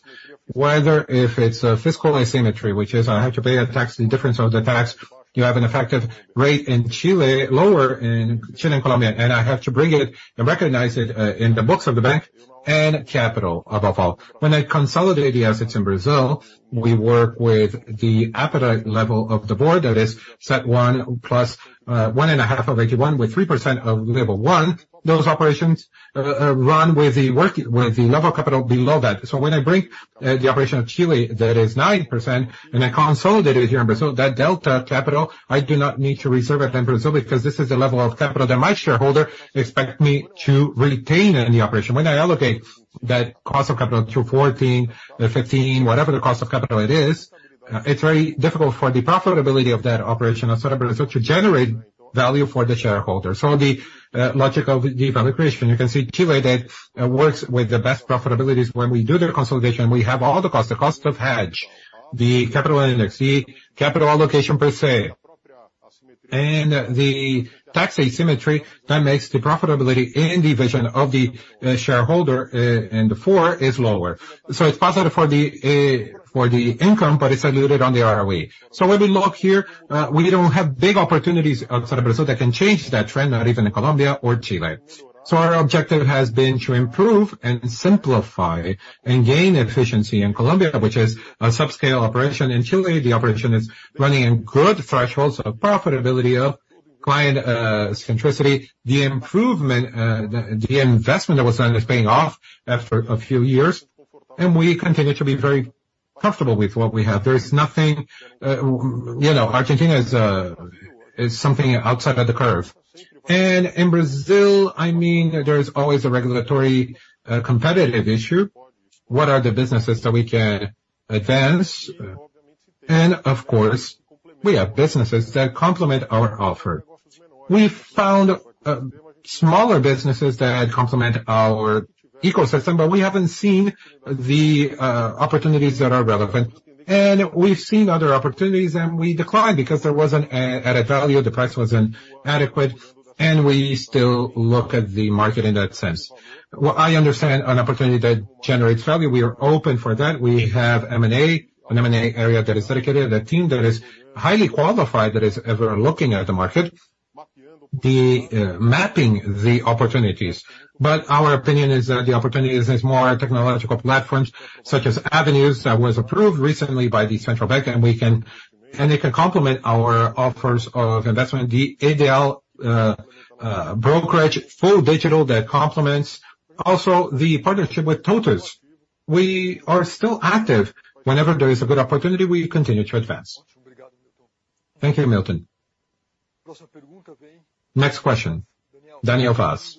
whether if it's a fiscal asymmetry, which is I have to pay a tax, the difference of the tax, you have an effective rate in Chile, lower in Chile and Colombia, and I have to bring it and recognize it in the books of the bank and capital, above all. When I consolidate the assets in Brazil, we work with the appetite level of the board, that is, set one plus, uh, one and a half of 81, with 3%of level 1. Those operations, uh, uh, run with the work- with the level of capital below that. So when I bring, uh, the operation of Chile, that is 9%, and I consolidate it here in Brazil, that delta capital, I do not need to reserve it in Brazil, because this is the level of capital that my shareholder expect me to retain in the operation. When I allocate that cost of capital to 14, uh, 15, whatever the cost of capital it is, uh, it's very difficult for the profitability of that operation outside of Brazil to generate value for the shareholder. So the logic of the value creation, you can see Chile, that works with the best profitabilities. When we do the consolidation, we have all the costs, the cost of hedge, the capital index, the capital allocation per se. The tax asymmetry that makes the profitability in the vision of the shareholder and therefore is lower. So it's positive for the income, but it's diluted on the ROE. So when we look here, we don't have big opportunities outside of Brazil that can change that trend, not even in Colombia or Chile. So our objective has been to improve and simplify and gain efficiency in Colombia, which is a subscale operation. In Chile, the operation is running in good thresholds of profitability, of client centricity. The improvement, the investment that was done is paying off after a few years, and we continue to be very comfortable with what we have. There is nothing... You know, Argentina is something outside of the curve. And in Brazil, I mean, there is always a regulatory, uh, competitive issue. What are the businesses that we can advance? And of course, we have businesses that complement our offer. We found, um, smaller businesses that complement our ecosystem, but we haven't seen the, uh, opportunities that are relevant. And we've seen other opportunities, and we declined because there wasn't a, added value, the price wasn't adequate, and we still look at the market in that sense. What I understand, an opportunity that generates value, we are open for that. We have M&A, an M&A area that is dedicated, a team that is highly qualified, that is ever looking at the market, the, uh, mapping the opportunities. But our opinion is that the opportunities is more technological platforms, such as Avenue, that was approved recently by the Central Bank, and we can and it can complement our offers of investment, the ideal brokerage, full digital, that complements also the partnership with TOTVS. We are still active. Whenever there is a good opportunity, we continue to advance. Thank you, Milton. Next question, Daniel Vaz.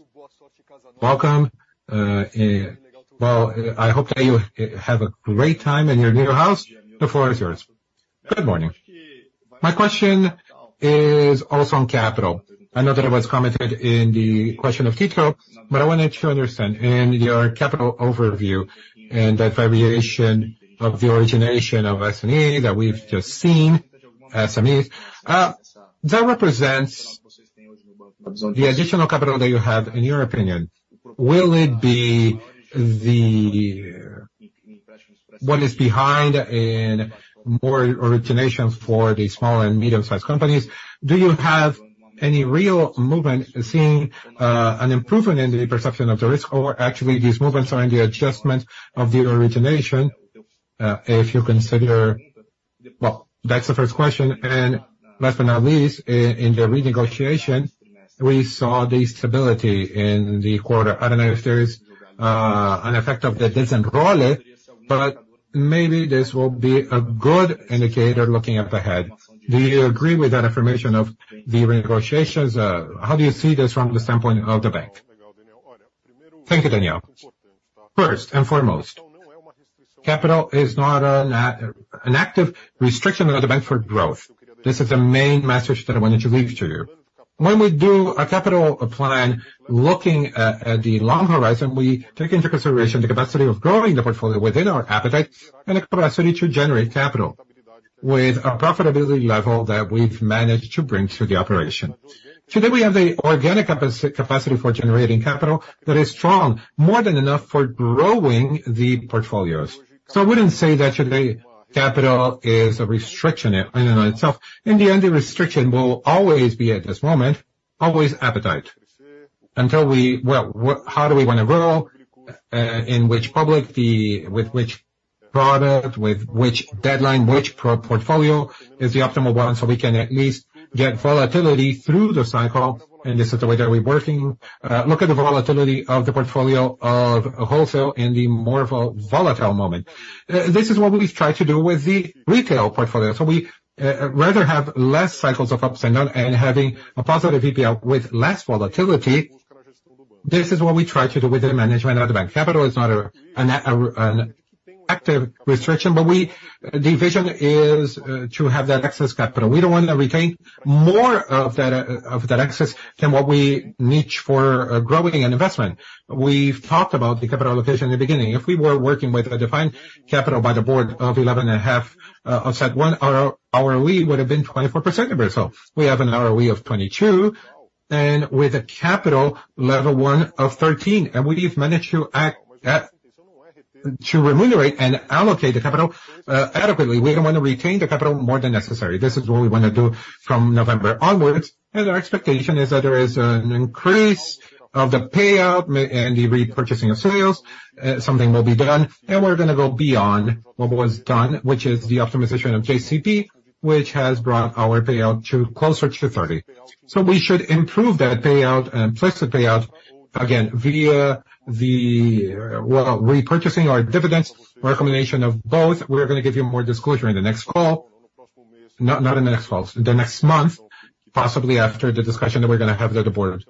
Welcome. Well, I hope that you have a great time in your new house. The floor is yours. Good morning. My question is also on capital. I know that it was commented in the question of Tito, but I wanted to understand, in your capital overview and that variation of the origination of SME that we've just seen, SMEs, that represents the additional capital that you have, in your opinion, will it be the what is behind in more origination for the small and medium-sized companies? Do you have any real movement, seeing, an improvement in the perception of the risk, or actually, these movements are in the adjustment of the origination, if you consider... Well, that's the first question. And last but not least, in the renegotiation, we saw the stability in the quarter. I don't know if there is, an effect of the Desenrola, but maybe this will be a good indicator looking up ahead. Do you agree with that information of the renegotiations? How do you see this from the standpoint of the bank? Thank you, Daniel. First and foremost, capital is not an active restriction of the bank for growth. This is the main message that I wanted to leave to you. When we do a capital plan, looking at the long horizon, we take into consideration the capacity of growing the portfolio within our appetite and the capacity to generate capital, with a profitability level that we've managed to bring to the operation. Today, we have the organic capacity for generating capital that is strong, more than enough for growing the portfolios. So I wouldn't say that today capital is a restriction in and of itself. In the end, the restriction will always be, at this moment, always appetite. Until we—Well, how do we want to grow, in which public, with which product, with which deadline, which portfolio is the optimal one, so we can at least get volatility through the cycle, and this is the way that we're working. Look at the volatility of the portfolio of wholesale in the more volatile moment. This is what we try to do with the retail portfolio. So we, rather have less cycles of ups and down and having a positive P&L with less volatility. This is what we try to do with the management of the bank. Capital is not an active restriction, but the vision is, to have that excess capital. We don't want to retain more of that, of that excess than what we need for growing investment. We've talked about the capital allocation in the beginning. If we were working with a defined capital by the board of eleven and a half, uh, on set one, our, our lead would have been 24% of itself. We have an ROE of 22, and with a capital level one of 13, and we've managed to act at, to remunerate and allocate the capital, uh, adequately. We don't want to retain the capital more than necessary. This is what we wanna do from November onwards, and our expectation is that there is an increase of the payout and the repurchasing of sales. Uh, something will be done, and we're gonna go beyond what was done, which is the optimization of JCP, which has brought our payout to closer to 30. So we should improve that payout and fix the payout again via the, well, repurchasing our dividends, recommendation of both. We're gonna give you more disclosure in the next call. Not, not in the next call, the next month, possibly after the discussion that we're gonna have at the board,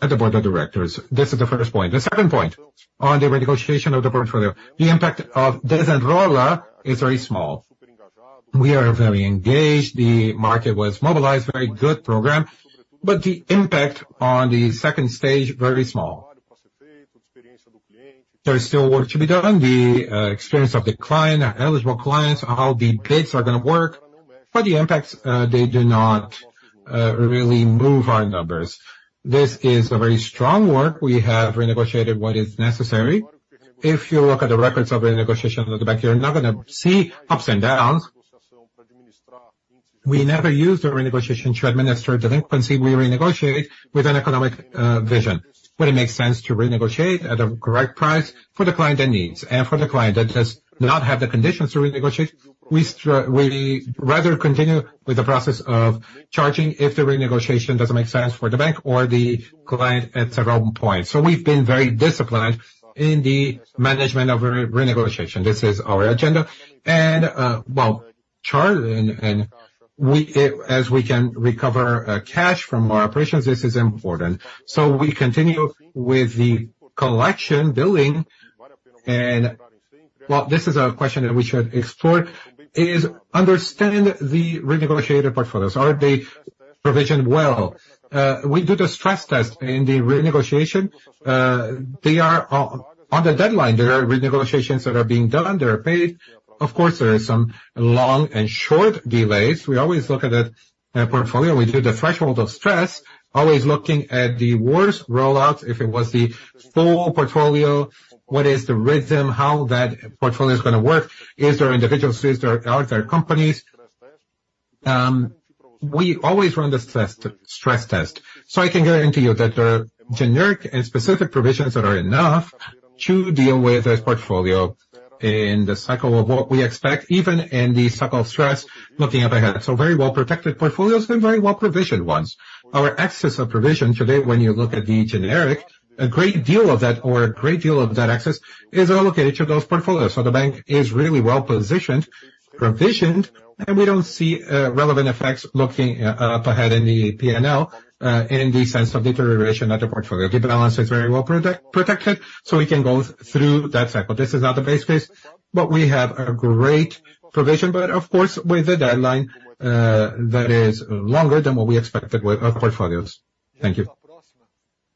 at the board of directors. This is the first point. The second point, on the renegotiation of the portfolio, the impact of Desenrola is very small. We are very engaged. The market was mobilized, very good program, but the impact on the second stage, very small.... There is still work to be done. The, uh, experience of the client, our eligible clients, how the bids are gonna work, but the impacts, uh, they do not, uh, really move our numbers. This is a very strong work. We have renegotiated what is necessary. If you look at the records of the negotiation of the bank, you're not gonna see ups and downs. We never use the renegotiation to administer delinquency. We renegotiate with an economic vision. When it makes sense to renegotiate at a correct price for the client that needs, and for the client that does not have the conditions to renegotiate, we rather continue with the process of charging if the renegotiation doesn't make sense for the bank or the client at several points. So we've been very disciplined in the management of renegotiation. This is our agenda, and, well, Charlie, and, and we - as we can recover, cash from our operations, this is important. So we continue with the collection billing, and well, this is a question that we should explore, is understand the renegotiated portfolios. Are they provisioned well? We do the stress test in the renegotiation. They are on the deadline. There are renegotiations that are being done, they are paid. Of course, there are some long and short delays. We always look at the portfolio. We do the threshold of stress, always looking at the worst rollout, if it was the full portfolio, what is the rhythm, how that portfolio is gonna work? Is there individual, are there companies? We always run the test, stress test. So I can guarantee you that there are generic and specific provisions that are enough to deal with this portfolio in the cycle of what we expect, even in the cycle of stress, looking up ahead. So very well-protected portfolios and very well-provisioned ones. Our excess of provision today, when you look at the generic, a great deal of that, or a great deal of that excess, is allocated to those portfolios. So the bank is really well-positioned, provisioned, and we don't see relevant effects looking up ahead in the P&L, in the sense of deterioration of the portfolio. The balance is very well protected, so we can go through that cycle. This is not the base case, but we have a great provision. But of course, with the deadline that is longer than what we expected with our portfolios. Thank you.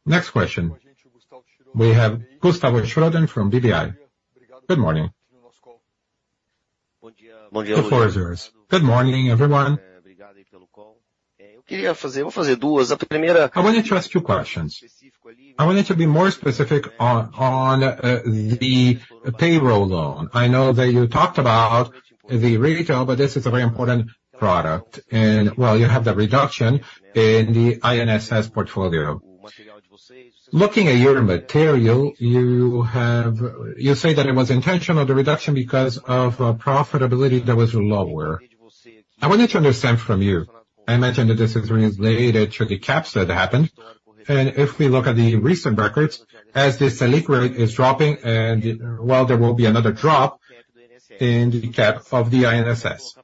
Next question. We have Gustavo Schroden from BBI. Good morning. Good morning, everyone. I wanted to ask two questions. I wanted to be more specific on the payroll loan. I know that you talked about the retail, but this is a very important product, and well, you have the reduction in the INSS portfolio. Looking at your material, you have. You say that it was intentional, the reduction, because of profitability that was lower. I wanted to understand from you. I imagine that this is related to the caps that happened, and if we look at the recent records, as this Selic rate is dropping, and well, there will be another drop in the cap of the INSS.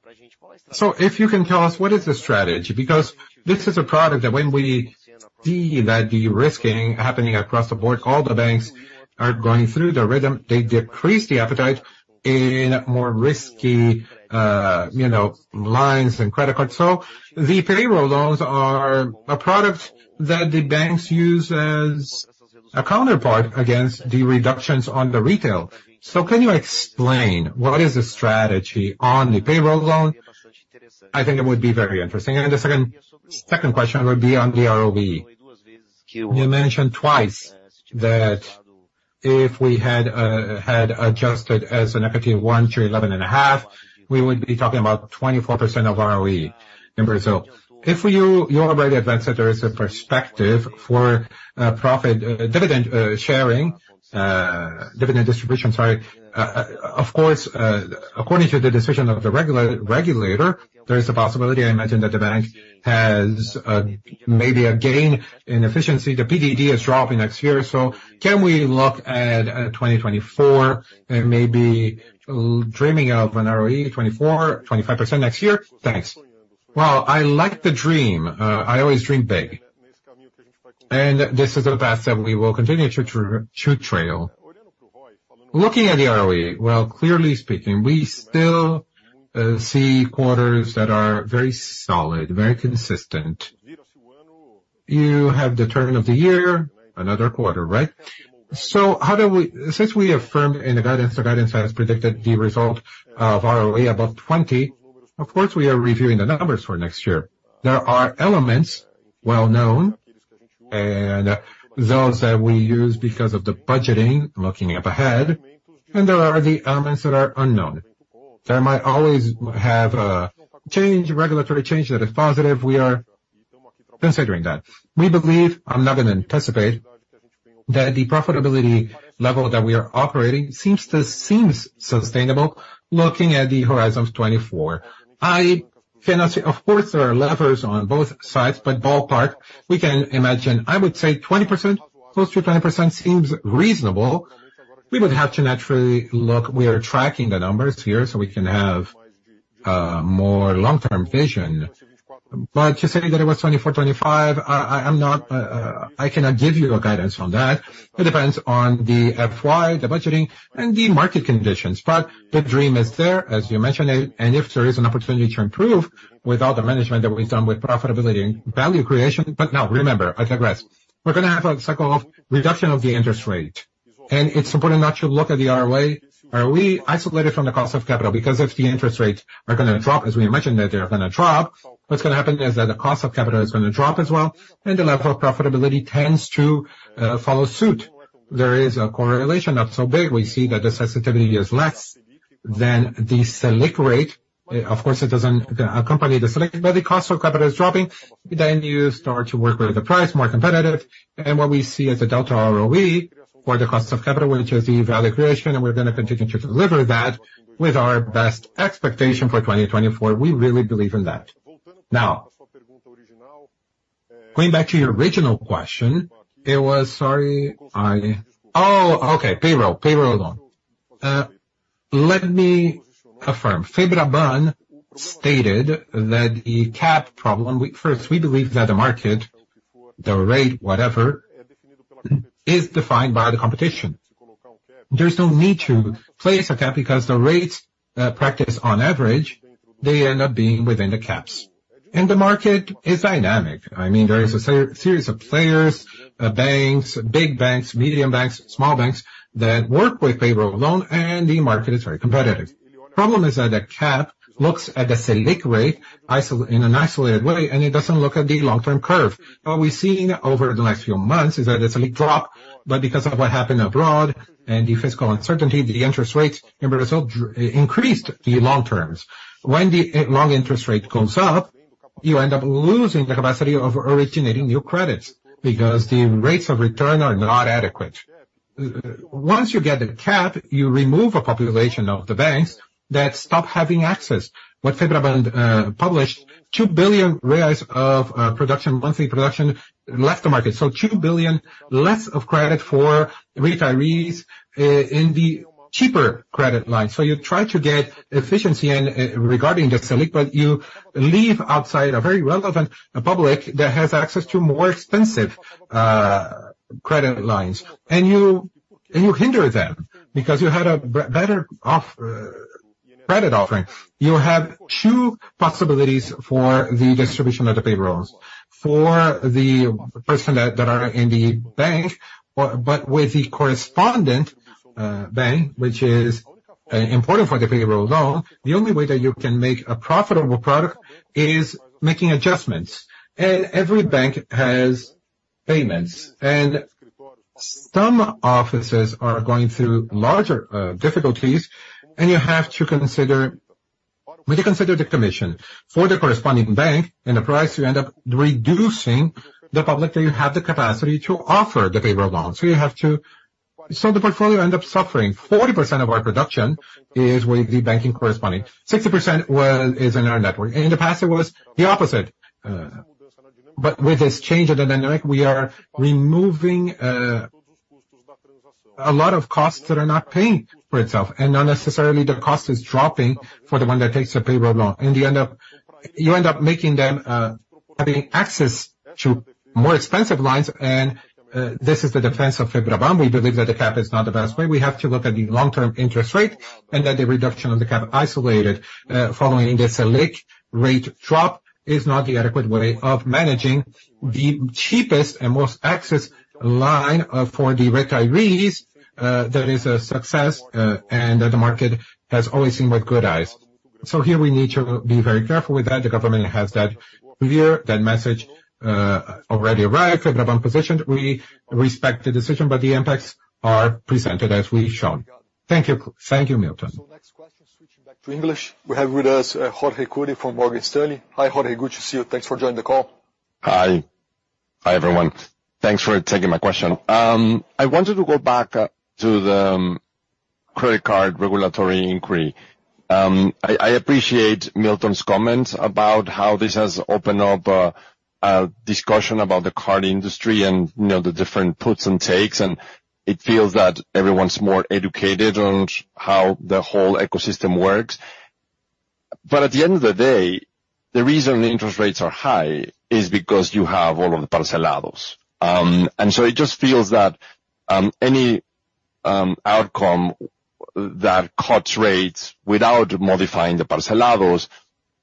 So if you can tell us what is the strategy? Because this is a product that when we see that de-risking happening across the board, all the banks are going through the rhythm, they decrease the appetite in more risky, you know, lines and credit cards. So the payroll loans are a product that the banks use as a counterpart against the reductions on the retail. So can you explain what is the strategy on the payroll loan? I think it would be very interesting. And the second question would be on the ROE. You mentioned twice that if we had had adjusted the CET1 to 11.5, we would be talking about 24% ROE in Brazil. You already advanced that there is a perspective for profit dividend sharing dividend distribution, sorry. Of course, according to the decision of the regulator, there is a possibility, I imagine, that the bank has maybe a gain in efficiency. The PDD is dropping next year, so can we look at, uh, 2024 and maybe dreaming of an ROE 24%, 25% next year? Thanks. Well, I like the dream. Uh, I always dream big, and this is a path that we will continue to tr- to trail. Looking at the ROE, well, clearly speaking, we still, uh, see quarters that are very solid, very consistent. You have the turn of the year, another quarter, right? So how do we-- Since we affirmed in the guidance, the guidance has predicted the result of ROE about 20, of course, we are reviewing the numbers for next year. There are elements well known, and those that we use because of the budgeting, looking up ahead, and there are the elements that are unknown. There might always have a change, regulatory change, that is positive. We are considering that. We believe, I'm not gonna anticipate, that the profitability level that we are operating seems to-- seems sustainable looking at the horizon of 24. I cannot say... Of course, there are levers on both sides, but ballpark, we can imagine, I would say 20%, close to 20% seems reasonable. We would have to naturally look, we are tracking the numbers here, so we can have, uh, more long-term vision. But you're saying that it was 24-25, I, I, I'm not, uh, I cannot give you a guidance on that. It depends on the FY, the budgeting, and the market conditions. But the dream is there, as you mentioned it, and if there is an opportunity to improve with all the management that we've done with profitability and value creation. But now, remember, I digress. We're gonna have a cycle of reduction of the interest rate.... It's important that you look at the ROA. Are we isolated from the cost of capital? Because if the interest rates are gonna drop, as we mentioned that they are gonna drop, what's gonna happen is that the cost of capital is gonna drop as well, and the level of profitability tends to follow suit. There is a correlation, not so big. We see that the sensitivity is less than the Selic rate. Of course, it doesn't accompany the Selic, but the cost of capital is dropping, then you start to work with the price more competitive. And what we see as a delta ROE for the cost of capital, which is the value creation, and we're gonna continue to deliver that with our best expectation for 2024. We really believe in that. Now, going back to your original question, it was... Sorry. Oh, okay, payroll. Payroll loan. Let me affirm. Febraban stated that the cap problem. First, we believe that the market, the rate, whatever, is defined by the competition. There's no need to place a cap because the rates practiced on average, they end up being within the caps. And the market is dynamic. I mean, there is a series of players, banks, big banks, medium banks, small banks, that work with payroll loan, and the market is very competitive. Problem is that a cap looks at the Selic rate in an isolated way, and it doesn't look at the long-term curve. What we've seen over the last few months is that the Selic dropped, but because of what happened abroad and the fiscal uncertainty, the interest rates in Brazil increased the long terms. When the long interest rate goes up, you end up losing the capacity of originating new credits, because the rates of return are not adequate. Once you get the cap, you remove a population of the banks that stop having access. What Febraban published, 2 billion reais of production, monthly production, left the market. So 2 billion less of credit for retirees in the cheaper credit line. So you try to get efficiency in regarding the Selic, but you leave outside a very relevant public that has access to more expensive credit lines, and you hinder them, because you had a better off credit offering. You have two possibilities for the distribution of the payrolls. For the person that are in the bank, or but with the correspondent bank, which is important for the payroll loan, the only way that you can make a profitable product is making adjustments. And every bank has payments, and some offices are going through larger difficulties, and you have to consider. When you consider the commission for the corresponding bank and the price, you end up reducing the public that you have the capacity to offer the payroll loan. So you have to. So the portfolio end up suffering. 40% of our production is with the correspondent banking. 60% is in our network. In the past, it was the opposite. But with this change in the dynamic, we are removing a lot of costs that are not paying for itself, and not necessarily the cost is dropping for the one that takes the payroll loan. And you end up, you end up making them having access to more expensive lines, and this is the defense of Febraban. We believe that the cap is not the best way. We have to look at the long-term interest rate, and that the reduction of the cap, isolated, following the Selic rate drop, is not the adequate way of managing the cheapest and most access line for the retirees that is a success, and that the market has always seen with good eyes. So here we need to be very careful with that. The government has that view, that message already arrived. Febraban positioned. We respect the decision, but the impacts are presented as we've shown. Thank you. Thank you, Milton. Next question, switching back to English. We have with us, Jorge Kuri from Morgan Stanley. Hi, Jorge, good to see you. Thanks for joining the call. Hi. Hi, everyone. Thanks for taking my question. I wanted to go back to the credit card regulatory inquiry. I appreciate Milton's comments about how this has opened up a discussion about the card industry and, you know, the different puts and takes, and it feels that everyone's more educated on how the whole ecosystem works. But at the end of the day, the reason the interest rates are high is because you have all of the parcelados. And so it just feels that any outcome that cuts rates without modifying the parcelados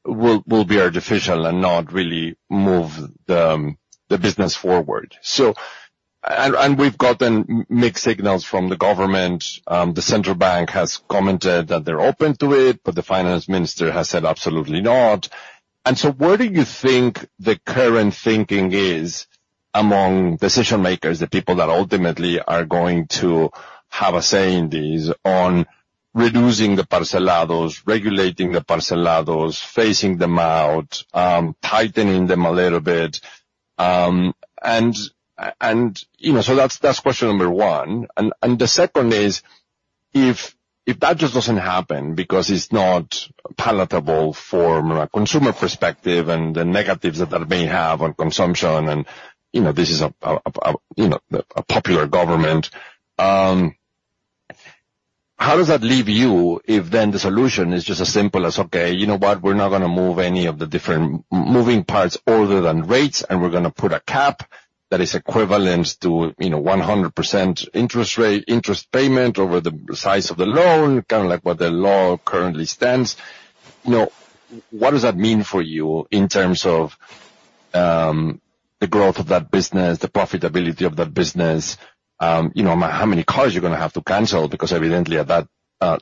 will be artificial and not really move the business forward. So... And we've gotten mixed signals from the government. The central bank has commented that they're open to it, but the finance minister has said absolutely not. So where do you think the current thinking is among decision makers, the people that ultimately are going to have a say in this, on reducing the parcelados, regulating the parcelados, phasing them out, tightening them a little bit? And, you know, so that's, that's question number 1. And the second is, if that just doesn't happen because it's not palatable from a consumer perspective and the negatives that that may have on consumption, and, you know, this is a you know a popular government, how does that leave you if then the solution is just as simple as, "Okay, you know what? We're not gonna move any of the different moving parts other than rates, and we're gonna put a cap that is equivalent to, you know, 100% interest rate, interest payment over the size of the loan, kind of like where the law currently stands. You know, what does that mean for you in terms of the growth of that business, the profitability of that business, you know, how many cars you're gonna have to cancel, because evidently at that,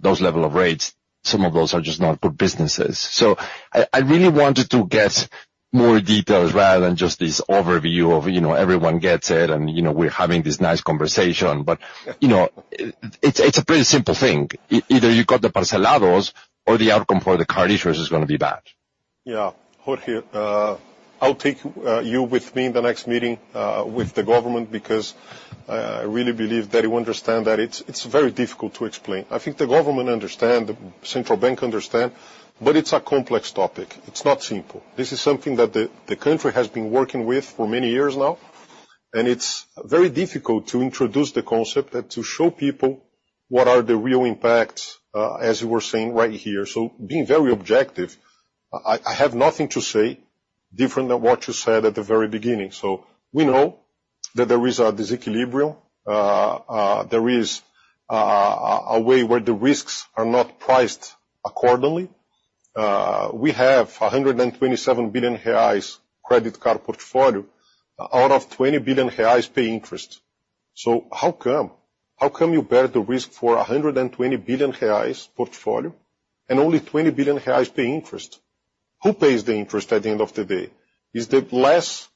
those level of rates, some of those are just not good businesses. So I really wanted to get more details rather than just this overview of, you know, everyone gets it, and, you know, we're having this nice conversation. But, you know, it, it's a pretty simple thing. Either you got the parcelados or the outcome for the card issuers is gonna be bad. Yeah. Jorge, I'll take you with me in the next meeting with the government, because I really believe that you understand that it's very difficult to explain. I think the government understand, the central bank understand, but it's a complex topic. It's not simple. This is something that the country has been working with for many years now, and it's very difficult to introduce the concept and to show people what are the real impacts, as you were saying right here. So being very objective, I have nothing to say different than what you said at the very beginning. So we know that there is a disequilibrium. There is a way where the risks are not priced accordingly. We have a 127 billion reais credit card portfolio out of 20 billion reais pay interest. So how come? How come you bear the risk for a 120 billion reais portfolio and only 20 billion reais pay interest? Who pays the interest at the end of the day? Is the less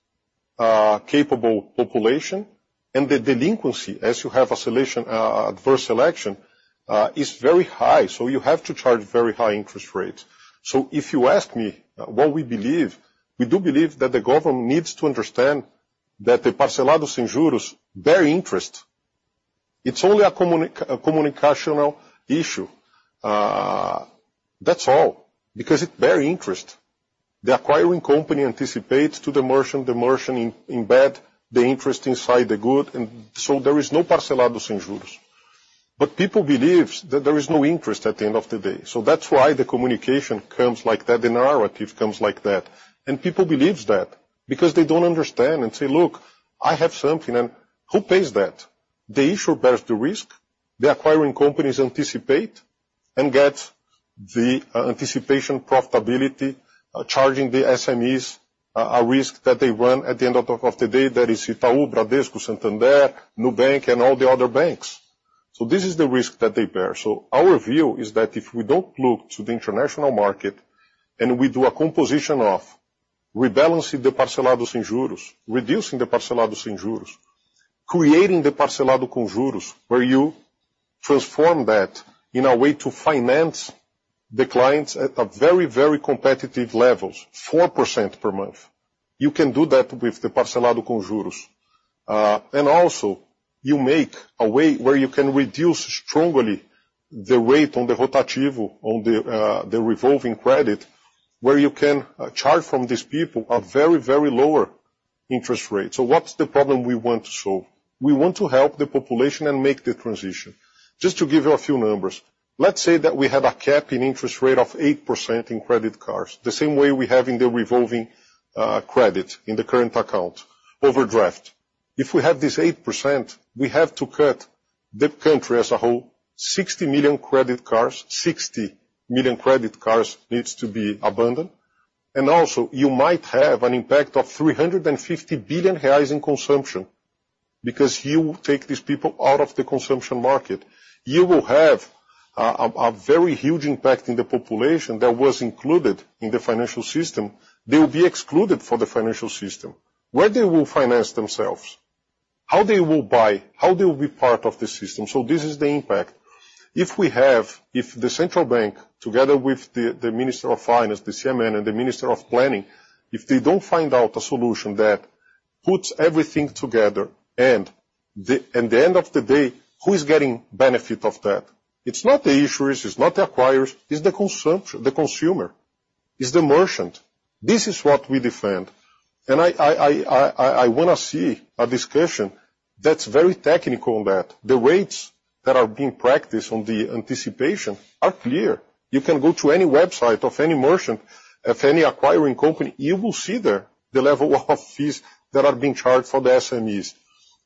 capable population? And the delinquency, as you have a selection, adverse selection, is very high, so you have to charge very high interest rates. So if you ask me what we believe, we do believe that the government needs to understand that the parcelados sem juros bear interest. It's only a communicational issue. That's all, because it bear interest. The acquiring company anticipates to the merchant, the merchant embed the interest inside the good, and so there is no parcelados sem juros. But people believes that there is no interest at the end of the day. So that's why the communication comes like that, the narrative comes like that. People believes that, because they don't understand, and say: "Look, I have something, and who pays that?" The issuer bears the risk, the acquiring companies anticipate and get the anticipation profitability, charging the SMEs a risk that they run. At the end of the day, that is Itaú, Bradesco, Santander, Nubank, and all the other banks. So this is the risk that they bear. So our view is that if we don't look to the international market, and we do a composition of rebalancing the parcelados sem juros, reducing the parcelados sem juros, creating the parcelado sem juros, where you transform that in a way to finance the clients at a very, very competitive levels, 4% per month. You can do that with the parcelado sem juros. and also, you make a way where you can reduce strongly the rate on the rotativo, on the, the revolving credit, where you can, charge from these people a very, very lower interest rate. So what's the problem we want to solve? We want to help the population and make the transition. Just to give you a few numbers, let's say that we have a cap in interest rate of 8% in credit cards, the same way we have in the revolving, credit, in the current account, overdraft. If we have this 8%, we have to cut the country as a whole, 60 million credit cards. 60 million credit cards needs to be abandoned. And also, you might have an impact of 350 billion reais in consumption, because you take these people out of the consumption market. You will have a very huge impact in the population that was included in the financial system. They will be excluded for the financial system. Where they will finance themselves? How they will buy? How they will be part of the system? So this is the impact. If we have, if the central bank, together with the Minister of Finance, the CMN, and the Minister of Planning, if they don't find out a solution that puts everything together, and at the end of the day, who is getting benefit of that? It's not the issuers, it's not the acquirers, it's the consumer, it's the merchant. This is what we defend. And I wanna see a discussion that's very technical on that. The rates that are being practiced on the anticipation are clear. You can go to any website of any merchant, of any acquiring company, you will see there the level of fees that are being charged for the SMEs.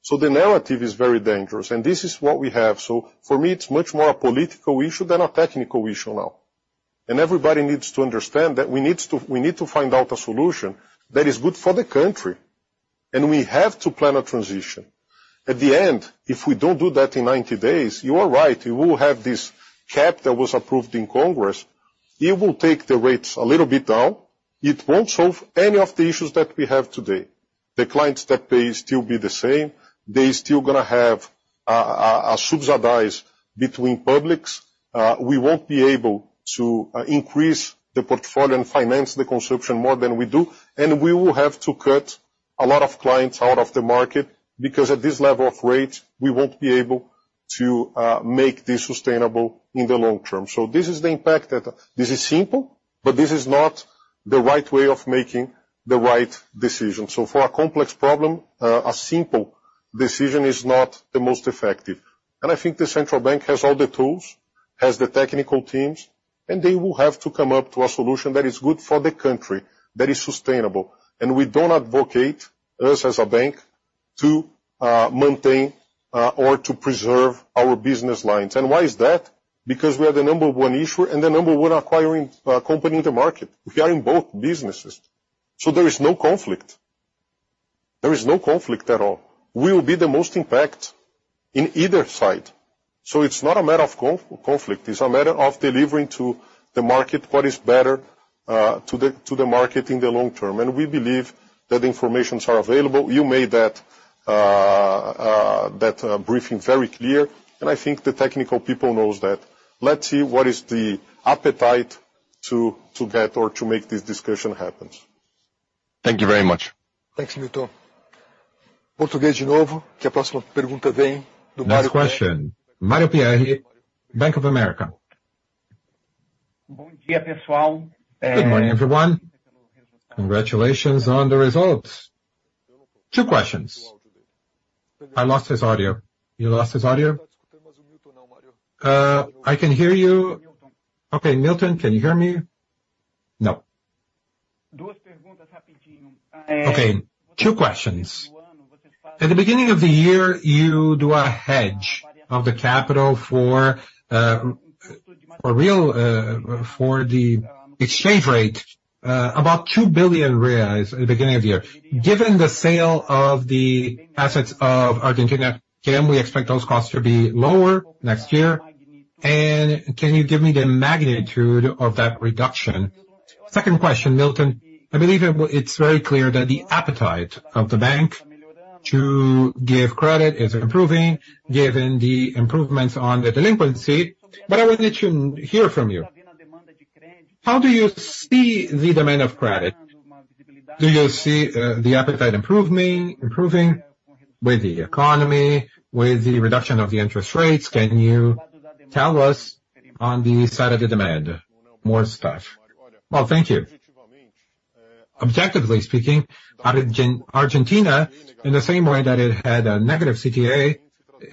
So the narrative is very dangerous, and this is what we have. So for me, it's much more a political issue than a technical issue now. And everybody needs to understand that we needs to, we need to find out a solution that is good for the country, and we have to plan a transition. At the end, if we don't do that in 90 days, you are right, we will have this cap that was approved in Congress. It will take the rates a little bit down. It won't solve any of the issues that we have today. The clients that pay still be the same. They still gonna have a subsidized between publics. We won't be able to increase the portfolio and finance the consumption more than we do, and we will have to cut a lot of clients out of the market, because at this level of rates, we won't be able to make this sustainable in the long term. So this is the impact that... This is simple, but this is not the right way of making the right decision. So for a complex problem, a simple decision is not the most effective. And I think the central bank has all the tools, has the technical teams, and they will have to come up to a solution that is good for the country, that is sustainable. And we don't advocate, us as a bank-... to maintain or to preserve our business lines. And why is that? Because we are the number one issuer and the number one acquiring company in the market. We are in both businesses, so there is no conflict. There is no conflict at all. We will be the most impact in either side. So it's not a matter of conflict, it's a matter of delivering to the market what is better to the market in the long term. And we believe that the informations are available. You made that briefing very clear, and I think the technical people knows that. Let's see, what is the appetite to get or to make this discussion happen? Thank you very much. Thanks, Milton. Next question, Mario Pierry, Bank of America. Good morning, everyone. Congratulations on the results. Two questions. I lost his audio. You lost his audio? I can hear you. Okay, Milton, can you hear me? No. Okay, two questions. At the beginning of the year, you do a hedge of the capital for the real, for the exchange rate, about 2 billion reais at the beginning of the year. Given the sale of the assets of Argentina, can we expect those costs to be lower next year? And can you give me the magnitude of that reduction? Second question, Milton, I believe it's very clear that the appetite of the bank to give credit is improving, given the improvements on the delinquency. But I would like to hear from you, how do you see the demand of credit? Do you see the appetite improving, improving with the economy, with the reduction of the interest rates? Can you tell us on the side of the demand? More stuff. Well, thank you. Objectively speaking, Argentina, in the same way that it had a negative CTA,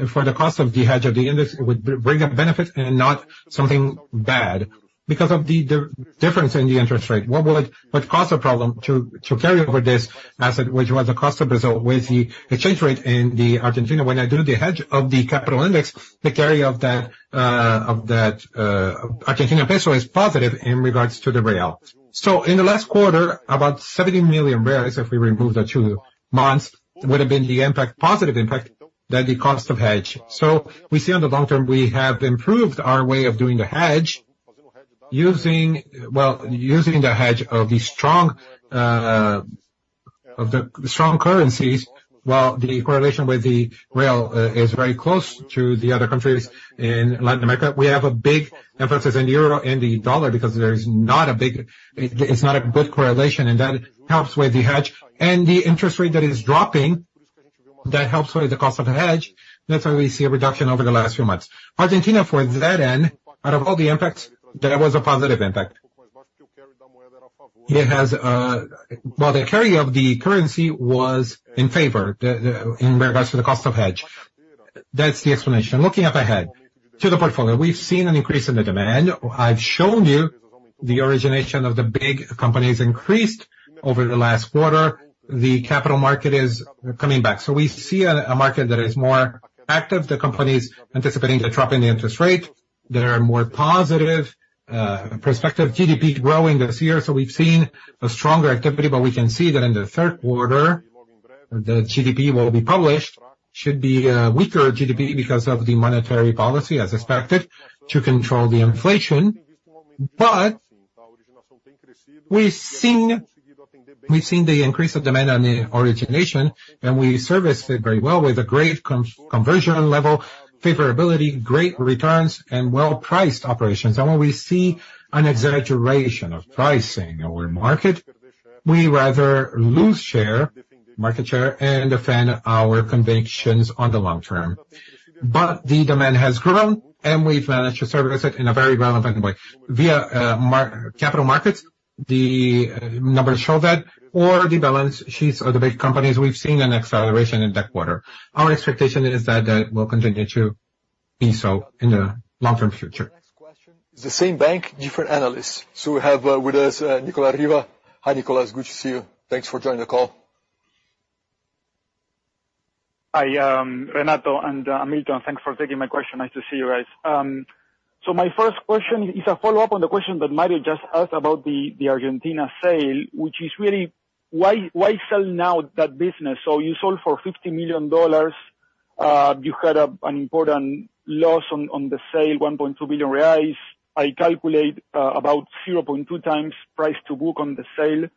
for the cost of the hedge of the index, it would bring a benefit and not something bad because of the difference in the interest rate. What would, what caused the problem to carry over this asset, which was the cost in Brazil, with the exchange rate in Argentina, when I do the hedge of the capital index, the carry of that Argentina peso is positive in regards to the real. So in the last quarter, about 17 million, if we remove the two months, would have been the impact, positive impact, than the cost of hedge. So we see on the long term, we have improved our way of doing the hedge, using... Well, using the hedge of the strong, of the strong currencies, while the correlation with the real, is very close to the other countries in Latin America. We have a big emphasis in euro and the dollar because there is not a good correlation, and that helps with the hedge. The interest rate that is dropping, that helps with the cost of the hedge. That's why we see a reduction over the last few months. Argentina, for that end, out of all the impacts, that was a positive impact. It has, Well, the carry of the currency was in favor, in regards to the cost of hedge. That's the explanation. Looking ahead to the portfolio, we've seen an increase in the demand. I've shown you the origination of the big companies increased over the last quarter. The capital market is coming back. So we see a market that is more active, the companies anticipating a drop in the interest rate. There are more positive, prospective GDP growing this year. So we've seen a stronger activity, but we can see that in the third quarter, the GDP will be published, should be a weaker GDP because of the monetary policy, as expected, to control the inflation. But we've seen, we've seen the increase of demand on the origination, and we serviced it very well with a great conversion level, favorability, great returns, and well-priced operations. And when we see an exaggeration of pricing in our market, we rather lose share, market share, and defend our convictions on the long term. But the demand has grown, and we've managed to service it in a very relevant way. Via capital markets, the numbers show that, or the balance sheets of the big companies, we've seen an acceleration in that quarter. Our expectation is that, that will continue to be so in the long-term future. The next question is the same bank, different analyst. So we have, with us, Nicolas Riva. Hi, Nicolas. It's good to see you. Thanks for joining the call. Hi, Renato and Milton. Thanks for taking my question. Nice to see you guys. So my first question is a follow-up on the question that Mario just asked about the Argentina sale, which is really why sell now that business? So you sold for $50 million, you had an important loss on the sale, 1.2 billion reais. I calculate about 0.2 times price to book on the sale.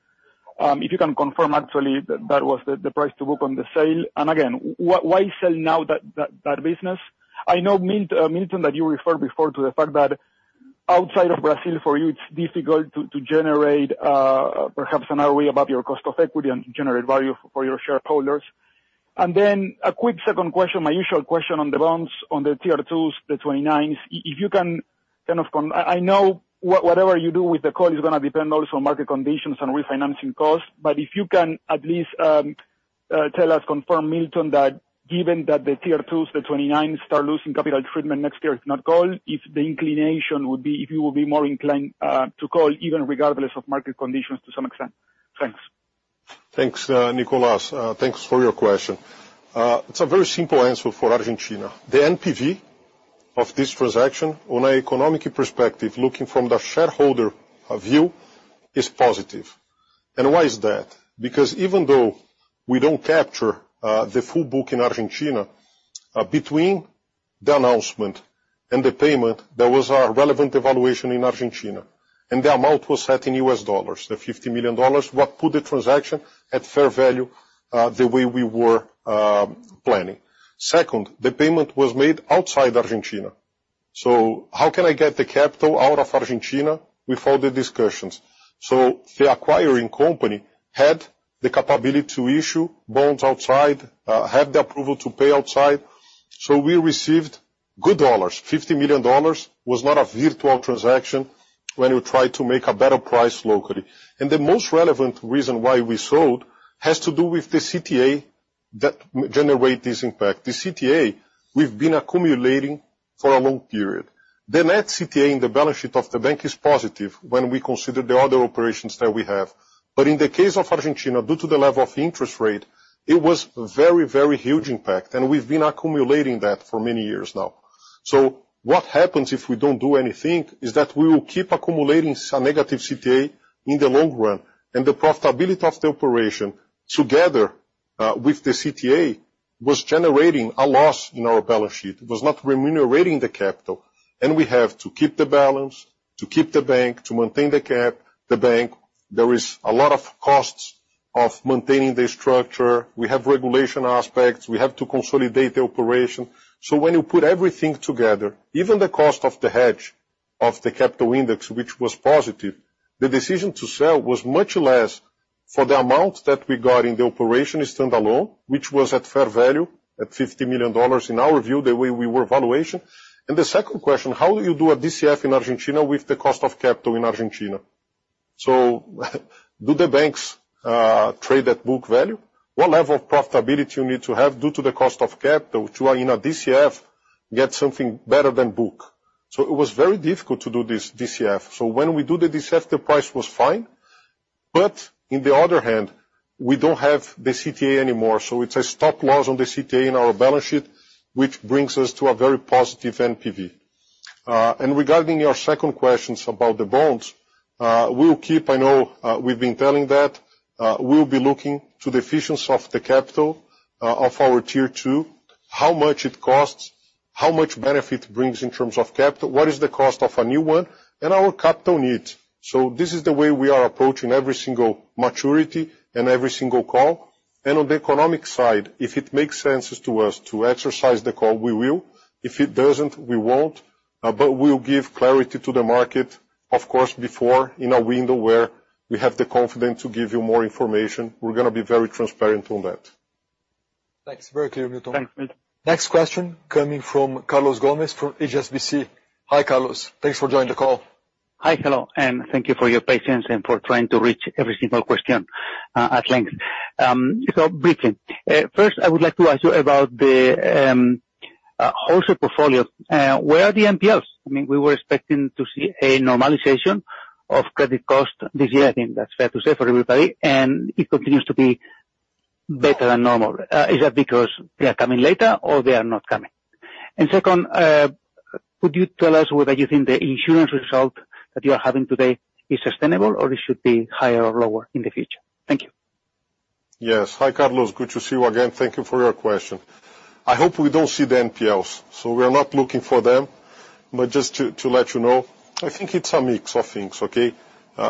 If you can confirm actually that that was the price to book on the sale. And again, why sell now that business? I know, Milton, that you referred before to the fact that outside of Brazil, for you, it's difficult to generate perhaps an ROE above your cost of equity and generate value for your shareholders. Then a quick second question, my usual question on the bonds, on the TR 2s, the 2029s. If you can kind of comment, I know whatever you do with the call is gonna depend also on market conditions and refinancing costs, but if you can at least tell us, confirm, Milton, that-... given that the Tier 2s, the 29s, start losing capital treatment next year, if not call, if the inclination would be, if you will be more inclined, to call even regardless of market conditions to some extent? Thanks. Thanks, Nicolas. Thanks for your question. It's a very simple answer for Argentina. The NPV of this transaction, on an economic perspective, looking from the shareholder view, is positive. And why is that? Because even though we don't capture the full book in Argentina, between the announcement and the payment, there was a relevant evaluation in Argentina, and the amount was set in US dollars, the $50 million, what put the transaction at fair value, the way we were planning. Second, the payment was made outside Argentina, so how can I get the capital out of Argentina? We followed the discussions. So the acquiring company had the capability to issue bonds outside, had the approval to pay outside, so we received good dollars. $50 million was not a virtual transaction when you try to make a better price locally. And the most relevant reason why we sold has to do with the CTA that generate this impact. The CTA, we've been accumulating for a long period. The net CTA in the balance sheet of the bank is positive when we consider the other operations that we have. But in the case of Argentina, due to the level of interest rate, it was very, very huge impact, and we've been accumulating that for many years now. So what happens if we don't do anything is that we will keep accumulating some negative CTA in the long run, and the profitability of the operation, together with the CTA, was generating a loss in our balance sheet. It was not remunerating the capital. And we have to keep the balance, to keep the bank, to maintain the cap, the bank. There is a lot of costs of maintaining the structure. We have regulation aspects. We have to consolidate the operation. So when you put everything together, even the cost of the hedge of the capital index, which was positive, the decision to sell was much less for the amount that we got in the operation as standalone, which was at fair value, at $50 million, in our view, the way we were valuation. And the second question, how do you do a DCF in Argentina with the cost of capital in Argentina? So, do the banks trade at book value? What level of profitability you need to have due to the cost of capital to, in a DCF, get something better than book? So it was very difficult to do this DCF. So when we do the DCF, the price was fine, but on the other hand, we don't have the CTA anymore, so it's a stop loss on the CTA in our balance sheet, which brings us to a very positive NPV. And regarding your second questions about the bonds, we'll keep... I know, we've been telling that, we'll be looking to the efficiency of the capital, of our tier two, how much it costs, how much benefit brings in terms of capital, what is the cost of a new one, and our capital need. So this is the way we are approaching every single maturity and every single call. And on the economic side, if it makes sense to us to exercise the call, we will. If it doesn't, we won't. But we'll give clarity to the market, of course, before in a window where we have the confidence to give you more information. We're gonna be very transparent on that. Thanks. Very clear, Milton. Thank you. Next question coming from Carlos Gomez-Lopez, from HSBC. Hi, Carlos, thanks for joining the call. Hi, hello, and thank you for your patience and for trying to reach every single question at length. So briefly, first, I would like to ask you about the wholesale portfolio. Where are the NPLs? I mean, we were expecting to see a normalization of credit cost this year, I think that's fair to say for everybody, and it continues to be better than normal. Is that because they are coming later or they are not coming? And second, could you tell us whether you think the insurance result that you are having today is sustainable or it should be higher or lower in the future? Thank you. Yes. Hi, Carlos, good to see you again. Thank you for your question. I hope we don't see the NPLs, so we are not looking for them. But just to let you know, I think it's a mix of things, okay?